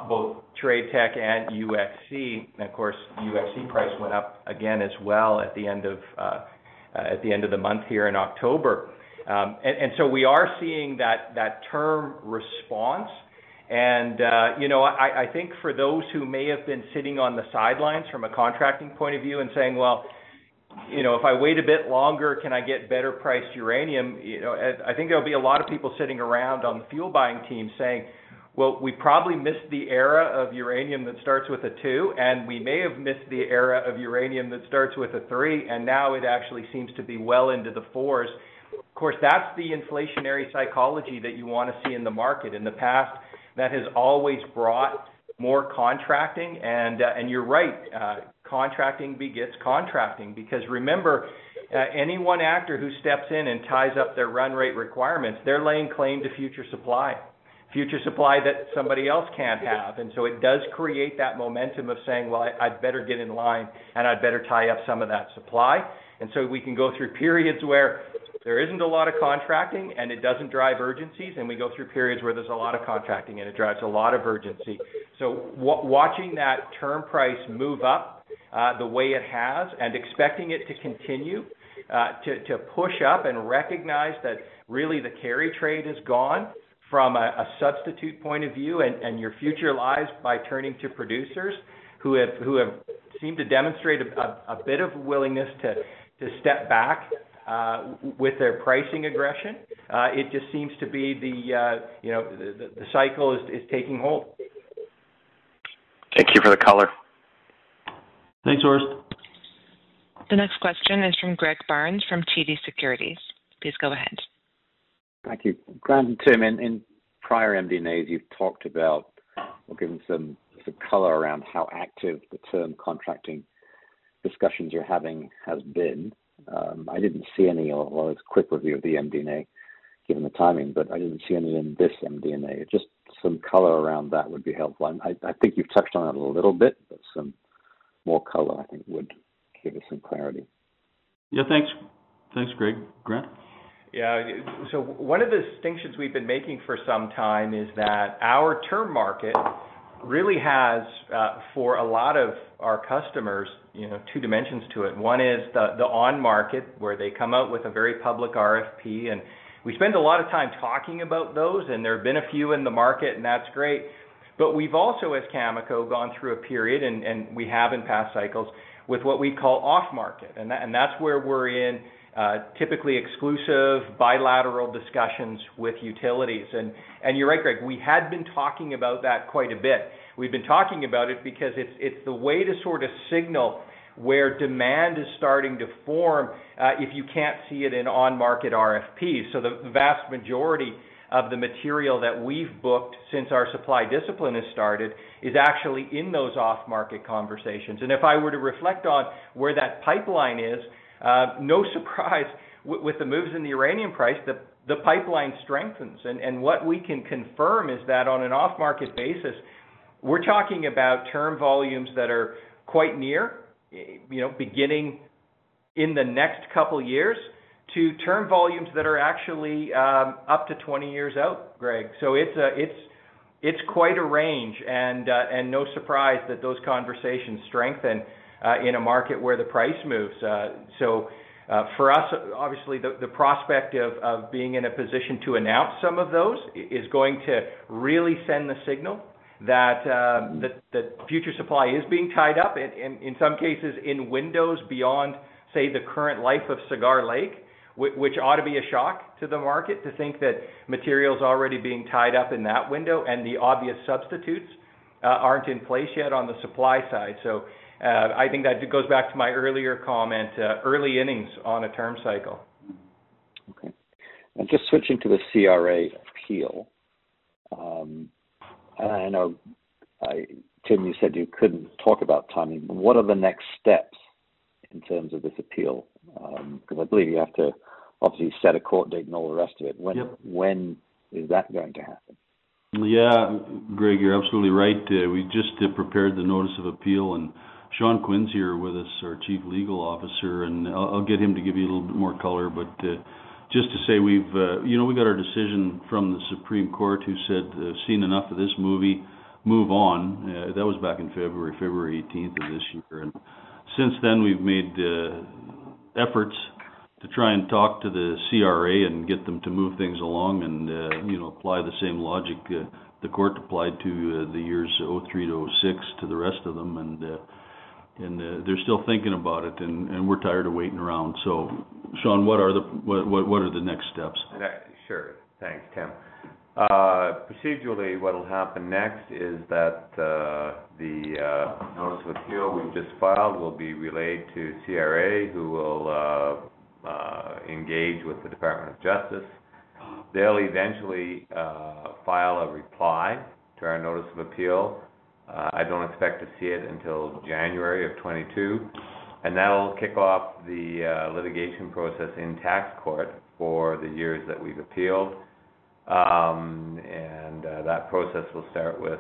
both TradeTech and UxC. Of course, UxC price went up again as well at the end of the month here in October. We are seeing that term response. You know, I think for those who may have been sitting on the sidelines from a contracting point of view and saying, "Well, you know, if I wait a bit longer, can I get better priced uranium?" You know, I think there'll be a lot of people sitting around on the fuel buying team saying, "Well, we probably missed the era of uranium that starts with a 2, and we may have missed the era of uranium that starts with a 3, and now it actually seems to be well into the 4s." Of course, that's the inflationary psychology that you wanna see in the market. In the past, that has always brought more contracting and you're right, contracting begets contracting, because remember, any one actor who steps in and ties up their run rate requirements, they're laying claim to future supply. Future supply that somebody else can't have. It does create that momentum of saying, "Well, I'd better get in line, and I'd better tie up some of that supply." We can go through periods where there isn't a lot of contracting and it doesn't drive urgencies, and we go through periods where there's a lot of contracting and it drives a lot of urgency. Watching that term price move up, the way it has and expecting it to continue to push up and recognize that really the carry trade is gone from a substitute point of view and your future lies by turning to producers who have seemed to demonstrate a bit of willingness to step back with their pricing aggression, it just seems to be, you know, the cycle is taking hold. Thank you for the color. Thanks, Orest. The next question is from Greg Barnes from TD Securities. Please go ahead. Thank you. Grant and Tim, in prior MD&As you've talked about or given some color around how active the term contracting discussions you're having has been. I didn't see any. Well, it was a quick review of the MD&A, given the timing, but I didn't see any in this MD&A. Just some color around that would be helpful. I think you've touched on it a little bit, but some more color I think would give us some clarity. Yeah, thanks. Thanks, Greg. Grant? Yeah. One of the distinctions we've been making for some time is that our term market really has, for a lot of our customers, you know, two dimensions to it. One is the on-market, where they come out with a very public RFP, and we spend a lot of time talking about those, and there have been a few in the market, and that's great. We've also, as Cameco, gone through a period, and we have in past cycles, with what we call off-market. That's where we're in typically exclusive bilateral discussions with utilities. You're right, Greg, we had been talking about that quite a bit. We've been talking about it because it's the way to sort of signal where demand is starting to form, if you can't see it in on-market RFP. The vast majority of the material that we've booked since our supply discipline has started is actually in those off-market conversations. If I were to reflect on where that pipeline is, no surprise with the moves in the uranium price, the pipeline strengthens. What we can confirm is that on an off-market basis, we're talking about term volumes that are quite near, beginning in the next couple years, to term volumes that are actually up to 20 years out, Greg. It's quite a range, and no surprise that those conversations strengthen in a market where the price moves. For us, obviously, the prospect of being in a position to announce some of those is going to really send the signal that future supply is being tied up in some cases in windows beyond, say, the current life of Cigar Lake, which ought to be a shock to the market to think that material's already being tied up in that window and the obvious substitutes aren't in place yet on the supply side. I think that goes back to my earlier comment, early innings on a term cycle. Just switching to the CRA appeal. I know, Tim, you said you couldn't talk about timing. What are the next steps in terms of this appeal? Because I believe you have to obviously set a court date and all the rest of it. Yep. When is that going to happen? Yeah. Greg, you're absolutely right. We just prepared the notice of appeal, and Sean Quinn's here with us, our Chief Legal Officer. I'll get him to give you a little bit more color. Just to say we've, you know, we got our decision from the Supreme Court who said, "I've seen enough of this movie. Move on." That was back in February 18th of this year. Since then, we've made efforts to try and talk to the CRA and get them to move things along and, you know, apply the same logic the court applied to the years 2003-2006 to the rest of them. They're still thinking about it and we're tired of waiting around. Sean, what are the next steps? Sure. Thanks, Tim. Procedurally, what'll happen next is that the notice of appeal we've just filed will be relayed to CRA, who will engage with the Department of Justice. They'll eventually file a reply to our notice of appeal. I don't expect to see it until January of 2022, and that'll kick off the litigation process in Tax Court for the years that we've appealed. That process will start with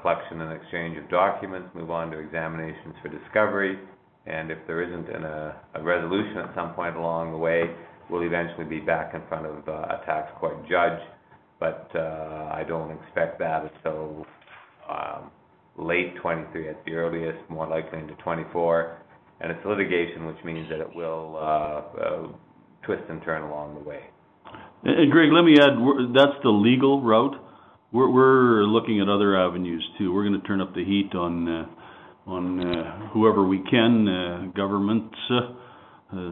collection and exchange of documents, move on to examinations for discovery, and if there isn't a resolution at some point along the way, we'll eventually be back in front of a Tax Court judge. I don't expect that until late 2023 at the earliest, more likely into 2024. It's litigation, which means that it will twist and turn along the way. Greg, let me add, that's the legal route. We're looking at other avenues too. We're gonna turn up the heat on whoever we can, governments,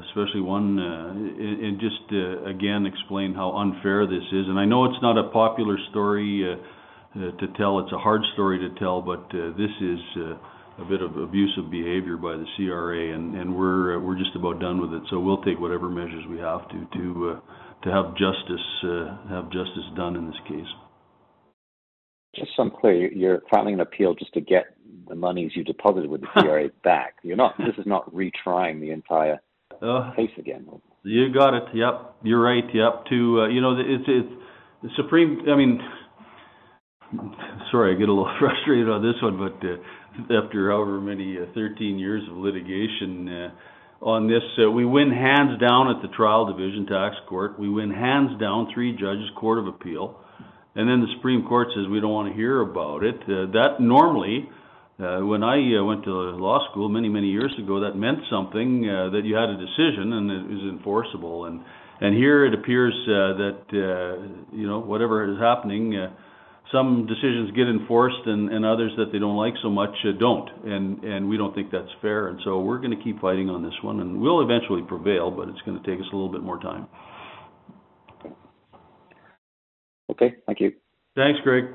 especially one, and just again explain how unfair this is. I know it's not a popular story to tell. It's a hard story to tell, but this is a bit of abusive behavior by the CRA, and we're just about done with it. We'll take whatever measures we have to have justice done in this case. Just some clarity, you're filing an appeal just to get the monies you deposited with the CRA back? You're not, this is not retrying the entire case again. You got it. Yep, you're right. Yep. You know, it's the Supreme—I mean, sorry, I get a little frustrated on this one, but after however many 13 years of litigation on this, we win hands down at the trial division Tax Court. We win hands down, three judges, Court of Appeal, and then the Supreme Court says, "We don't want to hear about it." That normally, when I went to law school many, many years ago, that meant something, that you had a decision and it was enforceable. Here it appears that you know, whatever is happening, some decisions get enforced and others that they don't like so much don't. We don't think that's fair. We're gonna keep fighting on this one, and we'll eventually prevail, but it's gonna take us a little bit more time. Okay. Thank you. Thanks, Greg.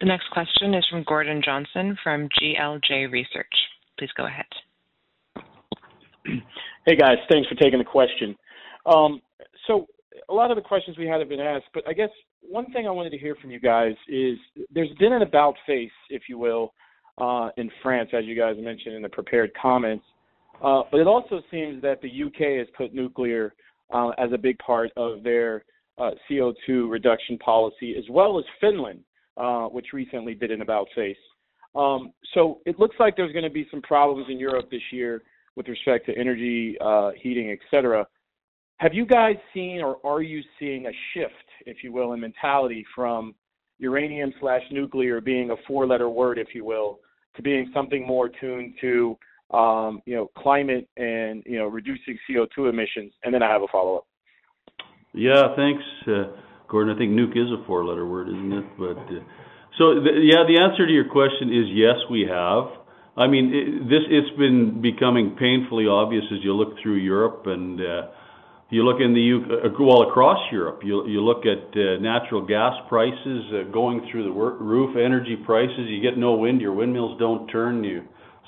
The next question is from Gordon Johnson from GLJ Research. Please go ahead. Hey, guys. Thanks for taking the question. A lot of the questions we had have been asked, but I guess one thing I wanted to hear from you guys is there's been an about-face, if you will, in France, as you guys mentioned in the prepared comments. It also seems that the U.K. has put nuclear as a big part of their CO2 reduction policy, as well as Finland, which recently did an about-face. It looks like there's gonna be some problems in Europe this year with respect to energy, heating, et cetera. Have you guys seen, or are you seeing a shift, if you will, in mentality from uranium/nuclear being a four-letter word, if you will, to being something more attuned to, you know, climate and, you know, reducing CO2 emissions? I have a follow-up. Yeah, thanks, Gordon. I think nuke is a four-letter word, isn't it? The answer to your question is yes, we have. I mean, it's been becoming painfully obvious as you look through Europe and all across Europe. You look at natural gas prices going through the roof, energy prices. You get no wind, your windmills don't turn. Your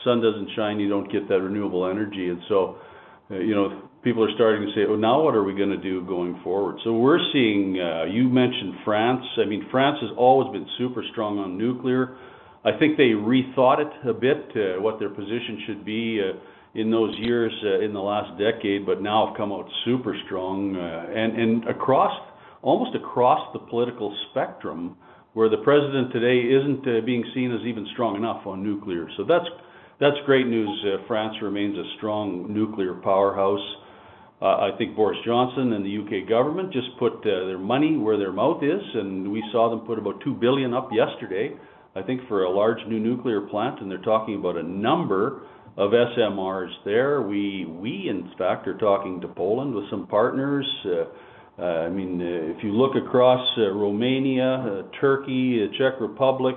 sun doesn't shine, you don't get that renewable energy. You know, people are starting to say, "Well, now what are we gonna do going forward?" We're seeing, you mentioned France. I mean, France has always been super strong on nuclear. I think they rethought it a bit, what their position should be, in those years, in the last decade, but now have come out super strong. Almost across the political spectrum, where the president today isn't being seen as even strong enough on nuclear. That's great news. France remains a strong nuclear powerhouse. I think Boris Johnson and the U.K. government just put their money where their mouth is, and we saw them put about 2 billion up yesterday, I think for a large new nuclear plant, and they're talking about a number of SMRs there. We in fact are talking to Poland with some partners. I mean, if you look across Romania, Turkey, Czech Republic,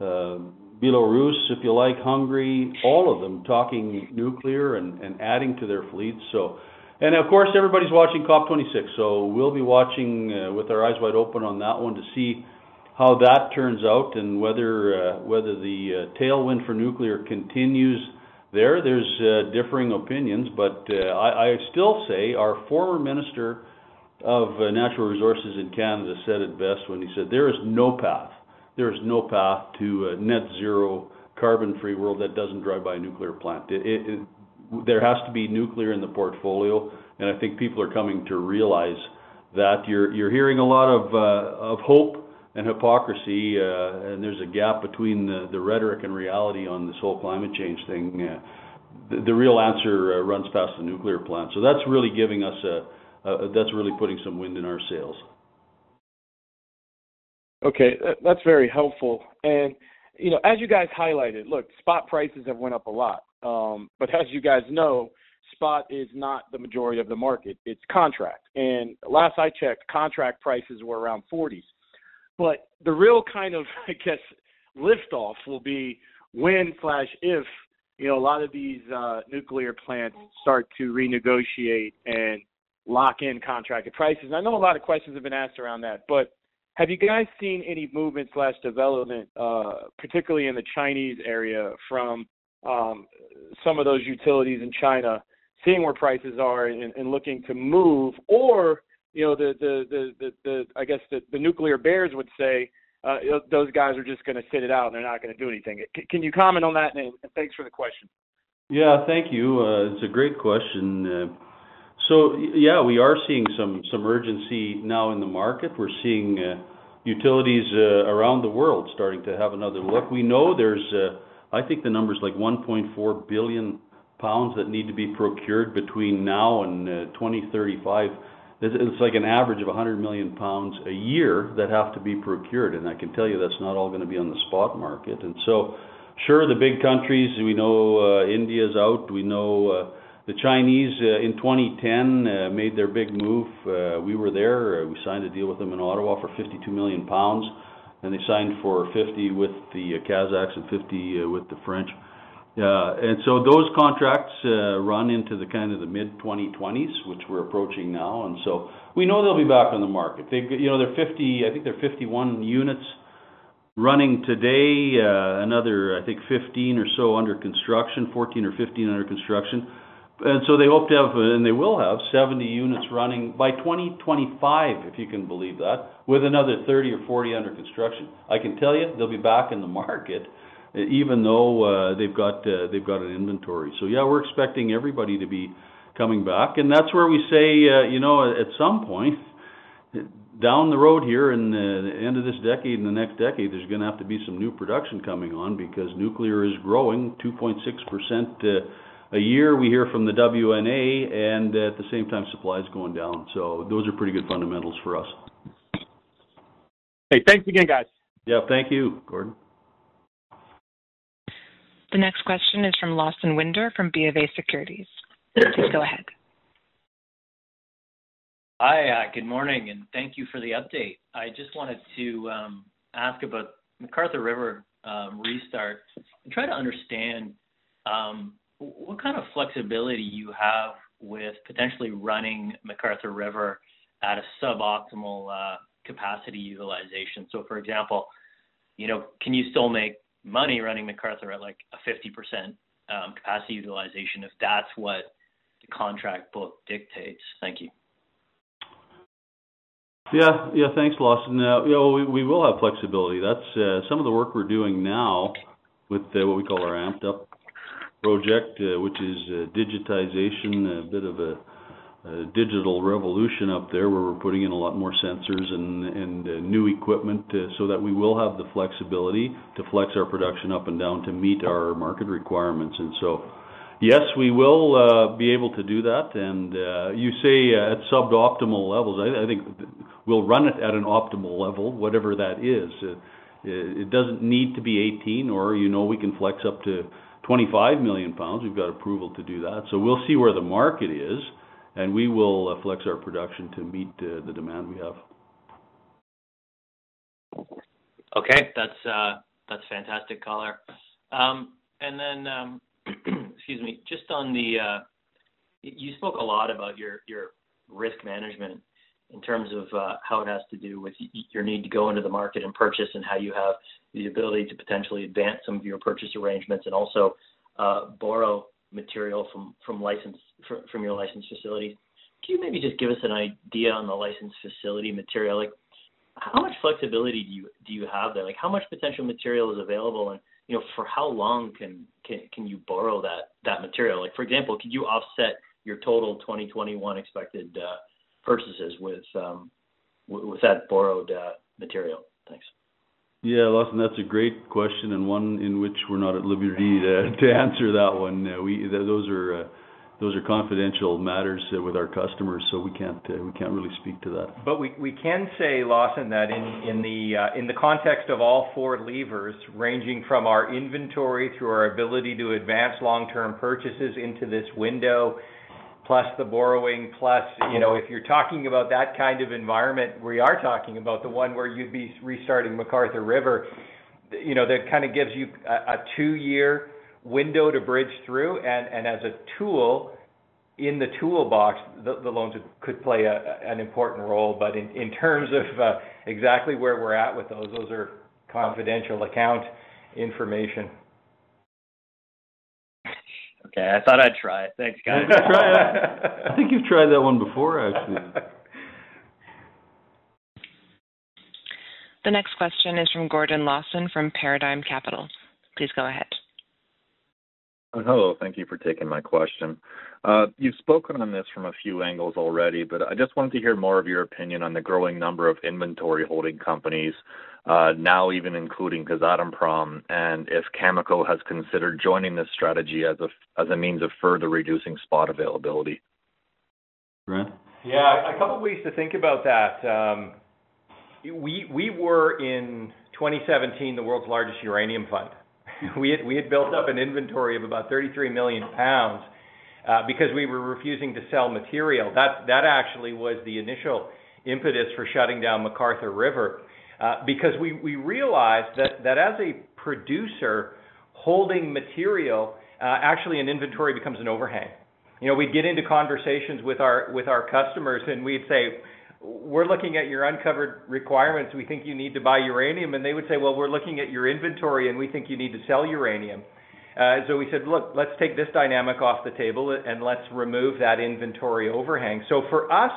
Belarus, if you like, Hungary, all of them talking nuclear and adding to their fleet. Of course, everybody's watching COP26. We'll be watching with our eyes wide open on that one to see how that turns out and whether the tailwind for nuclear continues there. There's differing opinions. I still say our former Minister of Natural Resources in Canada said it best when he said, "There is no path. There is no path to a net zero carbon-free world that doesn't drive by a nuclear plant." There has to be nuclear in the portfolio, and I think people are coming to realize that. You're hearing a lot of hope and hypocrisy, and there's a gap between the rhetoric and reality on this whole climate change thing. The real answer runs past the nuclear plant. That's really putting some wind in our sails. Okay. That's very helpful. You know, as you guys highlighted, look, spot prices have went up a lot. As you guys know, spot is not the majority of the market, it's contract. Last I checked, contract prices were around 40s. The real kind of, I guess, lift off will be when/if, you know, a lot of these nuclear plants start to renegotiate and lock in contracted prices. I know a lot of questions have been asked around that, but have you guys seen any movement/development, particularly in the Chinese area from some of those utilities in China, seeing where prices are and looking to move or, you know, the, I guess the nuclear bears would say, "Those guys are just gonna sit it out and they're not gonna do anything." Can you comment on that? Thanks for the question. Yeah. Thank you. It's a great question. So yeah, we are seeing some urgency now in the market. We're seeing utilities around the world starting to have another look. We know there's, I think the number's like 1.4 billion pounds that need to be procured between now and 2035. It's like an average of 100 million pounds a year that have to be procured, and I can tell you that's not all gonna be on the spot market. Sure, the big countries, we know, India's out. We know the Chinese in 2010 made their big move. We were there. We signed a deal with them in Ottawa for 52 million pounds, and they signed for 50 million pounds with the Kazakhs and 50 million pounds with the French. Those contracts run into the kind of the mid-2020s, which we're approaching now. We know they'll be back on the market. You know, they're 51 units running today, I think. Another 15 or so under construction. They hope to have, and they will have, 70 units running by 2025, if you can believe that, with another 30 or 40 under construction. I can tell you they'll be back in the market even though they've got an inventory. Yeah, we're expecting everybody to be coming back. That's where we say, you know, at some point down the road here in the end of this decade and the next decade, there's gonna have to be some new production coming on because nuclear is growing 2.6% a year, we hear from the WNA, and at the same time, supply is going down. Those are pretty good fundamentals for us. Hey, thanks again, guys. Yeah, thank you, Gordon. The next question is from Lawson Winder from BofA Securities. Go ahead. Hi, good morning, and thank you for the update. I just wanted to ask about McArthur River restart and try to understand what kind of flexibility you have with potentially running McArthur River at a suboptimal capacity utilization. For example, you know, can you still make money running McArthur at, like, a 50% capacity utilization if that's what the contract book dictates? Thank you. Yeah. Thanks, Lawson. You know, we will have flexibility. That's some of the work we're doing now with what we call our Amped-Up project, which is digitization, a bit of a digital revolution up there, where we're putting in a lot more sensors and new equipment, so that we will have the flexibility to flex our production up and down to meet our market requirements. Yes, we will be able to do that. You say at suboptimal levels. I think we'll run it at an optimal level, whatever that is. It doesn't need to be 18 million pounds or, you know, we can flex up to 25 million pounds. We've got approval to do that. We'll see where the market is, and we will flex our production to meet the demand we have. Okay. That's fantastic color. Excuse me, just on, you spoke a lot about your risk management in terms of how it has to do with your need to go into the market and purchase and how you have the ability to potentially advance some of your purchase arrangements and also borrow material from your licensed facility. Can you maybe just give us an idea on the licensed facility material? Like how much flexibility do you have there? Like, how much potential material is available and, you know, for how long can you borrow that material? Like, for example, could you offset your total 2021 expected purchases with that borrowed material? Thanks. Yeah. Lawson, that's a great question and one in which we're not at liberty to answer that one. No, those are confidential matters with our customers, so we can't really speak to that. We can say, Lawson, that in the context of all four levers, ranging from our inventory to our ability to advance long-term purchases into this window, plus the borrowing, plus, you know, if you're talking about that kind of environment, we are talking about the one where you'd be restarting McArthur River. You know, that kind of gives you a two-year window to bridge through. As a tool in the toolbox, the loans could play an important role. But in terms of exactly where we're at with those are confidential account information. Okay, I thought I'd try. Thanks guys. I think you've tried that one before, actually. The next question is from Gordon Lawson, from Paradigm Capital. Please go ahead. Hello. Thank you for taking my question. You've spoken on this from a few angles already, but I just wanted to hear more of your opinion on the growing number of inventory holding companies, now even including Kazatomprom, and if Cameco has considered joining this strategy as a means of further reducing spot availability? Grant? Yeah. A couple ways to think about that. We were in 2017 the world's largest uranium fund. We had built up an inventory of about 33 million pounds because we were refusing to sell material. That actually was the initial impetus for shutting down McArthur River. Because we realized that as a producer holding material, actually an inventory becomes an overhang. You know, we get into conversations with our customers, and we'd say, "We're looking at your uncovered requirements. We think you need to buy uranium." They would say, "Well, we're looking at your inventory, and we think you need to sell uranium." We said, "Look, let's take this dynamic off the table and let's remove that inventory overhang." For us,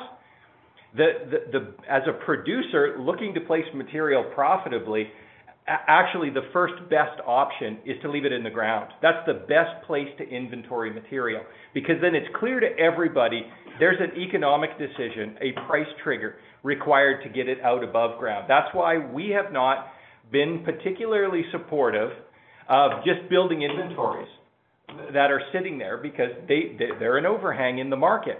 as a producer looking to place material profitably, actually the first best option is to leave it in the ground. That's the best place to inventory material, because then it's clear to everybody there's an economic decision, a price trigger required to get it out above ground. That's why we have not been particularly supportive of just building inventories that are sitting there because they're an overhang in the market.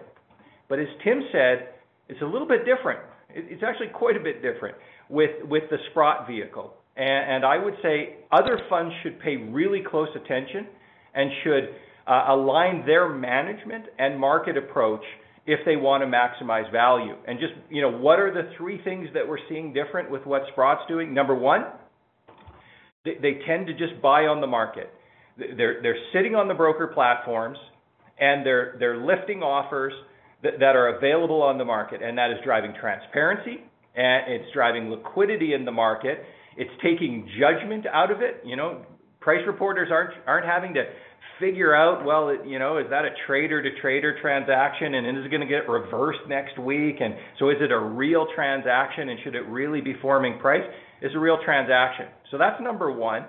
As Tim said, it's a little bit different. It's actually quite a bit different with the Sprott vehicle. I would say other funds should pay really close attention and should align their management and market approach if they want to maximize value. Just, you know, what are the three things that we're seeing different with what Sprott's doing? Number one, they tend to just buy on the market. They're sitting on the broker platforms, and they're lifting offers that are available on the market, and that is driving transparency, and it's driving liquidity in the market. It's taking judgment out of it. You know, price reporters aren't having to figure out, well, you know, is that a trader to trader transaction and is it gonna get reversed next week? Is it a real transaction and should it really be forming price? It's a real transaction. So that's number one.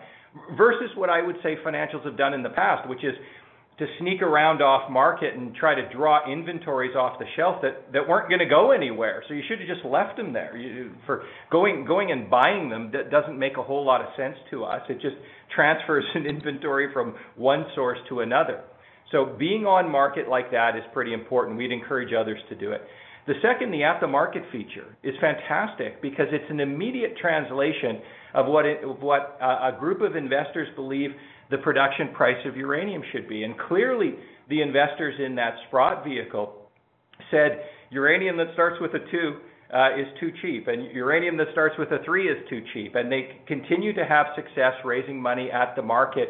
Versus what I would say financials have done in the past, which is to sneak around off market and try to draw inventories off the shelf that weren't gonna go anywhere. You should have just left them there. For going and buying them, that doesn't make a whole lot of sense to us. It just transfers an inventory from one source to another. Being on market like that is pretty important. We'd encourage others to do it. The second, the at the market feature is fantastic because it's an immediate translation of what a group of investors believe the production price of uranium should be. Clearly, the investors in that Sprott vehicle said uranium that starts with a 2 is too cheap, and uranium that starts with a 3 is too cheap. They continue to have success raising money at the market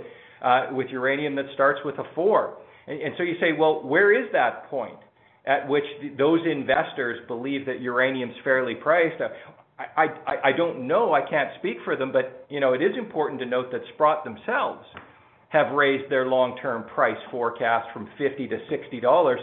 with uranium that starts with a 4. You say, well, where is that point at which those investors believe that uranium is fairly priced? I don't know. I can't speak for them. You know, it is important to note that Sprott themselves have raised their long-term price forecast from $50-$60.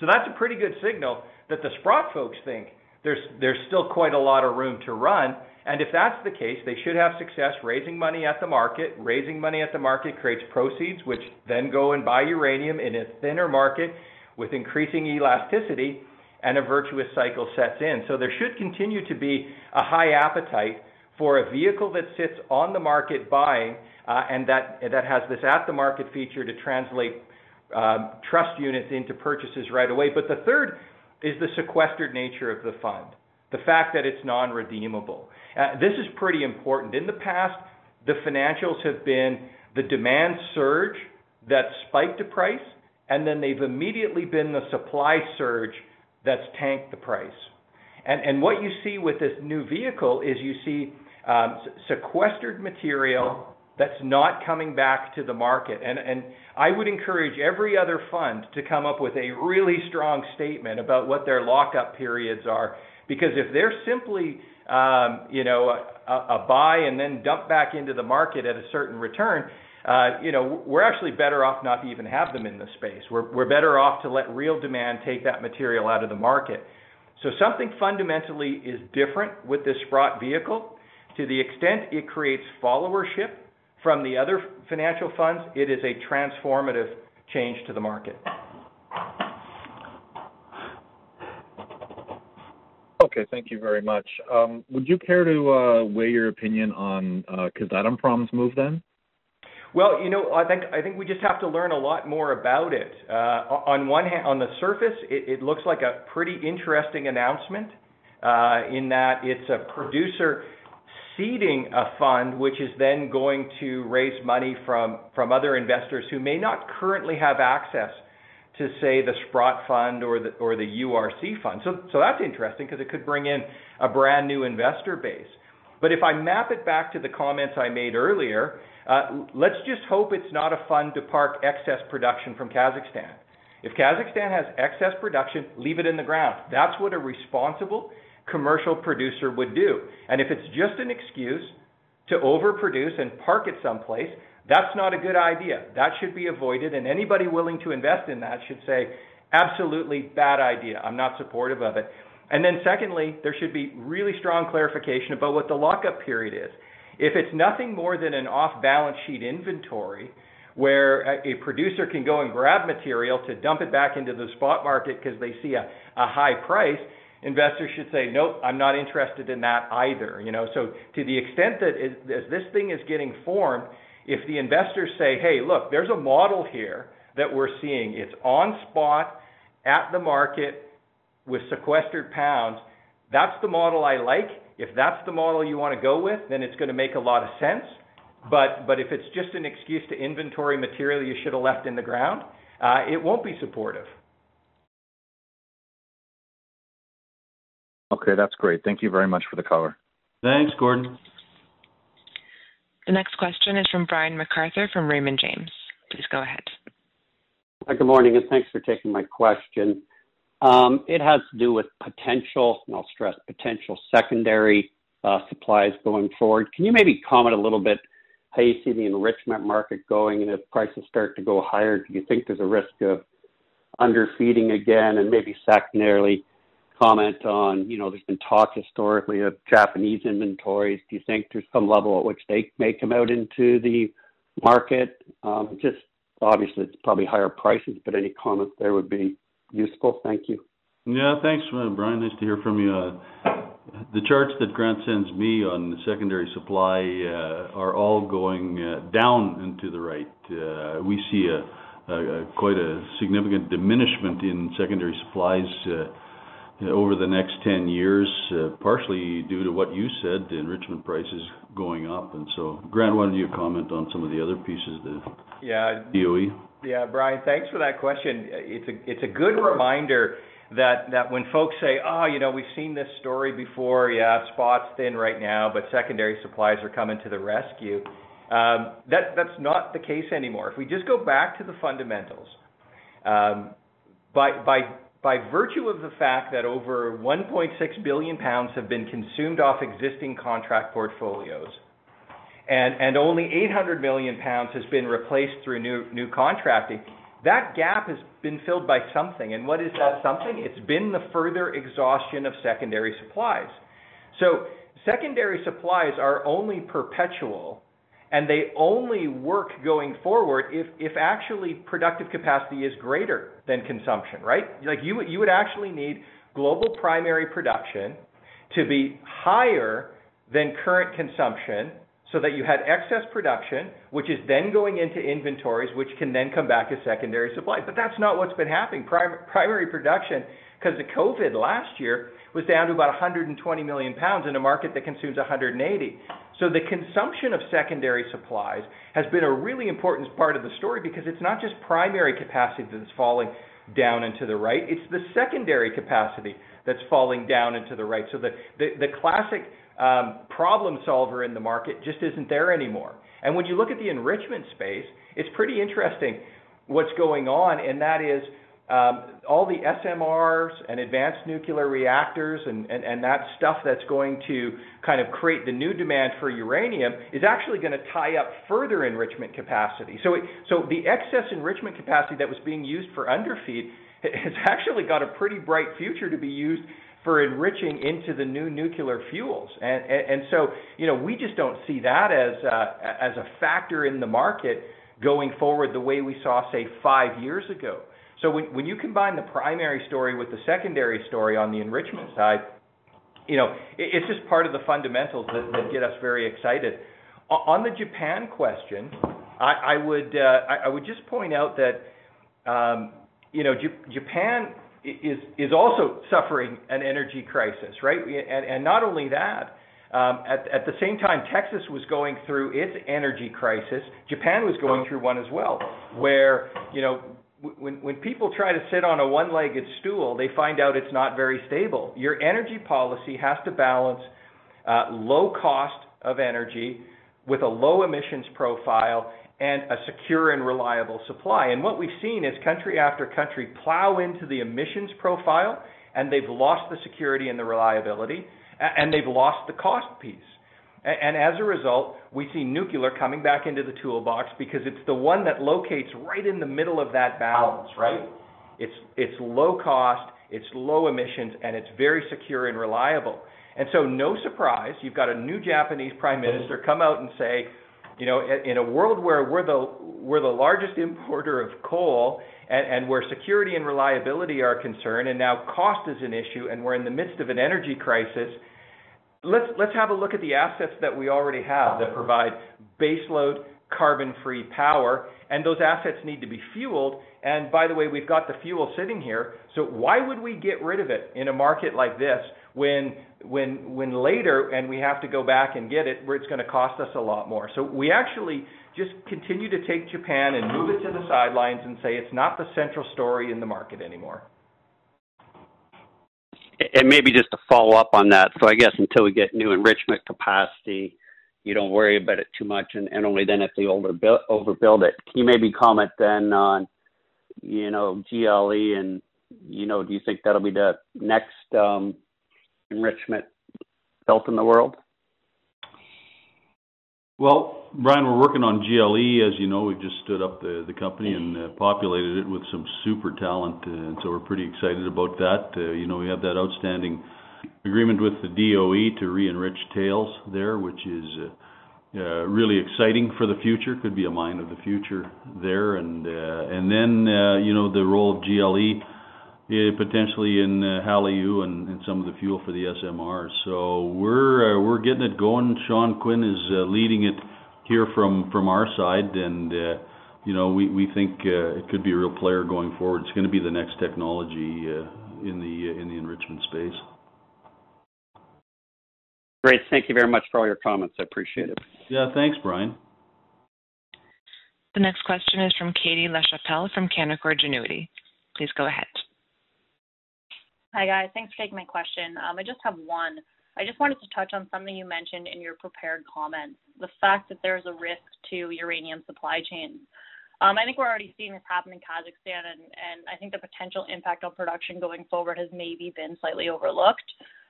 That's a pretty good signal that the Sprott folks think there's still quite a lot of room to run. If that's the case, they should have success raising money at the market. Raising money at the market creates proceeds, which then go and buy uranium in a thinner market with increasing elasticity and a virtuous cycle sets in. There should continue to be a high appetite for a vehicle that sits on the market buying, and that has this at the market feature to translate trust units into purchases right away. The third is the sequestered nature of the fund, the fact that it's non-redeemable. This is pretty important. In the past, the financials have been the demand surge that spiked the price, and then they've immediately been the supply surge that's tanked the price. What you see with this new vehicle is you see, sequestered material that's not coming back to the market. I would encourage every other fund to come up with a really strong statement about what their lockup periods are, because if they're simply, you know, a buy and then dump back into the market at a certain return, you know, we're actually better off not to even have them in the space. We're better off to let real demand take that material out of the market. Something fundamentally is different with this Sprott vehicle. To the extent it creates followership from the other financial funds, it is a transformative change to the market. Thank you very much. Would you care to weigh in on Kazatomprom's move then? Well, you know, I think we just have to learn a lot more about it. On one hand, on the surface, it looks like a pretty interesting announcement in that it's a producer seeding a fund which is then going to raise money from other investors who may not currently have access to, say, the Sprott Fund or the URC Fund. So that's interesting because it could bring in a brand new investor base. But if I map it back to the comments I made earlier, let's just hope it's not a fund to park excess production from Kazakhstan. If Kazakhstan has excess production, leave it in the ground. That's what a responsible commercial producer would do. And if it's just an excuse to overproduce and park it someplace, that's not a good idea. That should be avoided, and anybody willing to invest in that should say, "Absolutely bad idea. I'm not supportive of it." Secondly, there should be really strong clarification about what the lockup period is. If it's nothing more than an off-balance sheet inventory where a producer can go and grab material to dump it back into the spot market because they see a high price, investors should say, "Nope, I'm not interested in that either." You know? To the extent that it, as this thing is getting formed, if the investors say, "Hey, look, there's a model here that we're seeing. It's on spot at the market with sequestered pounds. That's the model I like." If that's the model you want to go with, then it's going to make a lot of sense. If it's just an excuse to inventory material you should have left in the ground, it won't be supportive. Okay, that's great. Thank you very much for the color. Thanks, Gordon. The next question is from Brian MacArthur from Raymond James. Please go ahead. Good morning, and thanks for taking my question. It has to do with potential, and I'll stress potential secondary supplies going forward. Can you maybe comment a little bit how you see the enrichment market going, and if prices start to go higher, do you think there's a risk of underfeeding again? Maybe secondarily comment on, you know, there's been talk historically of Japanese inventories. Do you think there's some level at which they may come out into the market? Just obviously it's probably higher prices, but any comment there would be useful. Thank you. Yeah, thanks, Brian. Nice to hear from you. The charts that Grant sends me on the secondary supply are all going down to the right. We see a quite significant diminishment in secondary supplies over the next 10 years, partially due to what you said, the enrichment prices going up. Grant, why don't you comment on some of the other pieces that- Yeah. DOE. Yeah. Brian, thanks for that question. It's a good reminder that when folks say, "Oh, you know, we've seen this story before. Yeah, spot's thin right now, but secondary supplies are coming to the rescue," that's not the case anymore. If we just go back to the fundamentals, by virtue of the fact that over 1.6 billion pounds have been consumed off existing contract portfolios and only 800 million pounds has been replaced through new contracting, that gap has been filled by something. What is that something? It's been the further exhaustion of secondary supplies. Secondary supplies are only perpetual, and they only work going forward if actually productive capacity is greater than consumption, right? Like, you would actually need global primary production to be higher than current consumption so that you had excess production, which is then going into inventories, which can then come back as secondary supply. But that's not what's been happening. Primary production, 'cause of COVID last year, was down to about 120 million pounds in a market that consumes 180 million pounds. The consumption of secondary supplies has been a really important part of the story because it's not just primary capacity that's falling down into the right, it's the secondary capacity that's falling down into the right. The classic problem solver in the market just isn't there anymore. When you look at the enrichment space, it's pretty interesting what's going on, and that is, all the SMRs and advanced nuclear reactors and that stuff that's going to kind of create the new demand for uranium is actually gonna tie up further enrichment capacity. The excess enrichment capacity that was being used for underfeed has actually got a pretty bright future to be used for enriching into the new nuclear fuels. You know, we just don't see that as a factor in the market going forward the way we saw, say, five years ago. When you combine the primary story with the secondary story on the enrichment side, you know, it's just part of the fundamentals that get us very excited. On the Japan question, I would just point out that, you know, Japan is also suffering an energy crisis, right? Not only that, at the same time Texas was going through its energy crisis, Japan was going through one as well, where, you know, when people try to sit on a one-legged stool, they find out it's not very stable. Your energy policy has to balance low cost of energy with a low emissions profile and a secure and reliable supply. What we've seen is country after country plow into the emissions profile, and they've lost the security and the reliability and they've lost the cost piece. As a result, we see nuclear coming back into the toolbox because it's the one that locates right in the middle of that balance, right? It's low cost, it's low emissions, and it's very secure and reliable. No surprise, you've got a new Japanese prime minister come out and say, you know, in a world where we're the largest importer of coal and where security and reliability are concerned, and now cost is an issue, and we're in the midst of an energy crisis, let's have a look at the assets that we already have that provide baseload carbon-free power, and those assets need to be fueled. By the way, we've got the fuel sitting here, so why would we get rid of it in a market like this when later we have to go back and get it, where it's gonna cost us a lot more? We actually just continue to take Japan and move it to the sidelines and say, "It's not the central story in the market anymore. Maybe just to follow up on that. I guess until we get new enrichment capacity, you don't worry about it too much and only then if they overbuild it. Can you maybe comment then on, you know, GLE and, you know, do you think that'll be the next enrichment built in the world? Well, Brian, we're working on GLE. As you know, we just stood up the company and populated it with some super talent, and we're pretty excited about that. You know, we have that outstanding agreement with the DOE to re-enrich tails there, which is really exciting for the future. Could be a mine of the future there. You know, the role of GLE, potentially in HALEU and some of the fuel for the SMRs. We're getting it going. Sean Quinn is leading it here from our side. You know, we think it could be a real player going forward. It's gonna be the next technology in the enrichment space. Great. Thank you very much for all your comments. I appreciate it. Yeah, thanks, Brian. The next question is from Katie Lachapelle, from Canaccord Genuity. Please go ahead. Hi, guys. Thanks for taking my question. I just have one. I just wanted to touch on something you mentioned in your prepared comments, the fact that there's a risk to uranium supply chain. I think we're already seeing this happen in Kazakhstan, and I think the potential impact on production going forward has maybe been slightly overlooked.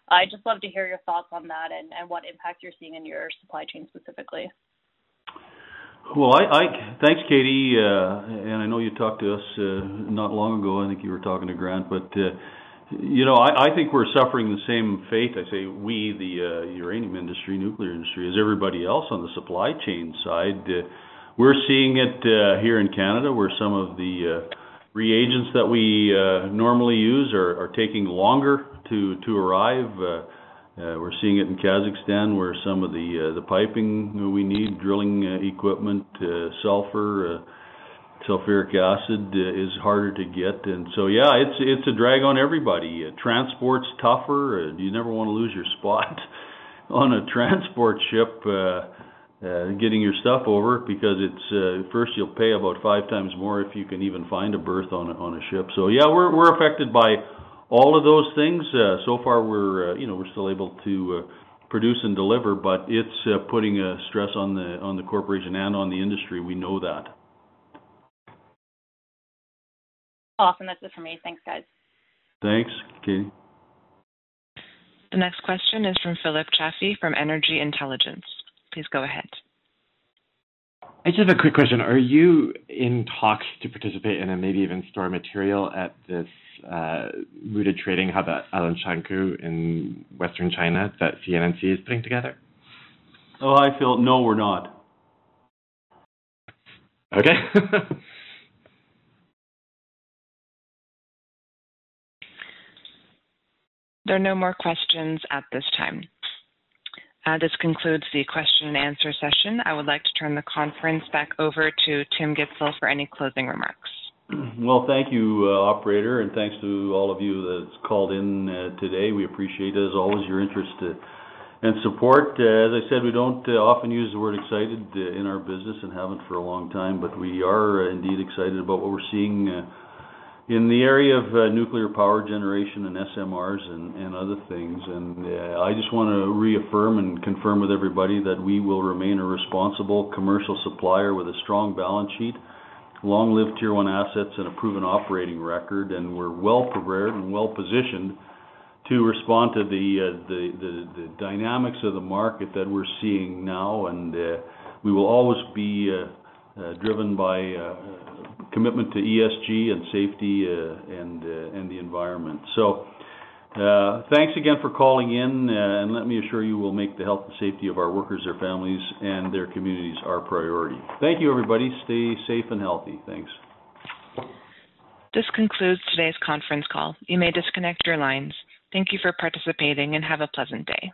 I'd just love to hear your thoughts on that and what impact you're seeing in your supply chain specifically. Thanks, Katie. I know you talked to us not long ago. I think you were talking to Grant. You know, I think we're suffering the same fate. I say we, the uranium industry, nuclear industry, as everybody else on the supply chain side. We're seeing it here in Canada, where some of the reagents that we normally use are taking longer to arrive. We're seeing it in Kazakhstan, where some of the piping we need, drilling equipment, sulfur, sulfuric acid is harder to get. Yeah, it's a drag on everybody. Transport's tougher. You never wanna lose your spot on a transport ship getting your stuff over because it's first you'll pay about five times more if you can even find a berth on a ship. Yeah, we're affected by all of those things. So far, you know, we're still able to produce and deliver, but it's putting a stress on the corporation and on the industry. We know that. Awesome. That's it for me. Thanks, guys. Thanks, Katie. The next question is from Philip Chaffee from Energy Intelligence. Please go ahead. I just have a quick question. Are you in talks to participate in and maybe even store material at this mooted trading hub at Alashankou in Western China that CNNC is putting together? Oh, hi, Phil. No, we're not. Okay. There are no more questions at this time. This concludes the question-and-answer session. I would like to turn the conference back over to Tim Gitzel for any closing remarks. Well, thank you, operator, and thanks to all of you that's called in, today. We appreciate, as always, your interest and support. As I said, we don't often use the word excited in our business and haven't for a long time, but we are indeed excited about what we're seeing in the area of nuclear power generation and SMRs and other things. I just wanna reaffirm and confirm with everybody that we will remain a responsible commercial supplier with a strong balance sheet, long-lived tier-one assets and a proven operating record. We're well prepared and well-positioned to respond to the dynamics of the market that we're seeing now. We will always be driven by commitment to ESG and safety and the environment. Thanks again for calling in. Let me assure you, we'll make the health and safety of our workers, their families, and their communities our priority. Thank you, everybody. Stay safe and healthy. Thanks. This concludes today's conference call. You may disconnect your lines. Thank you for participating and have a pleasant day.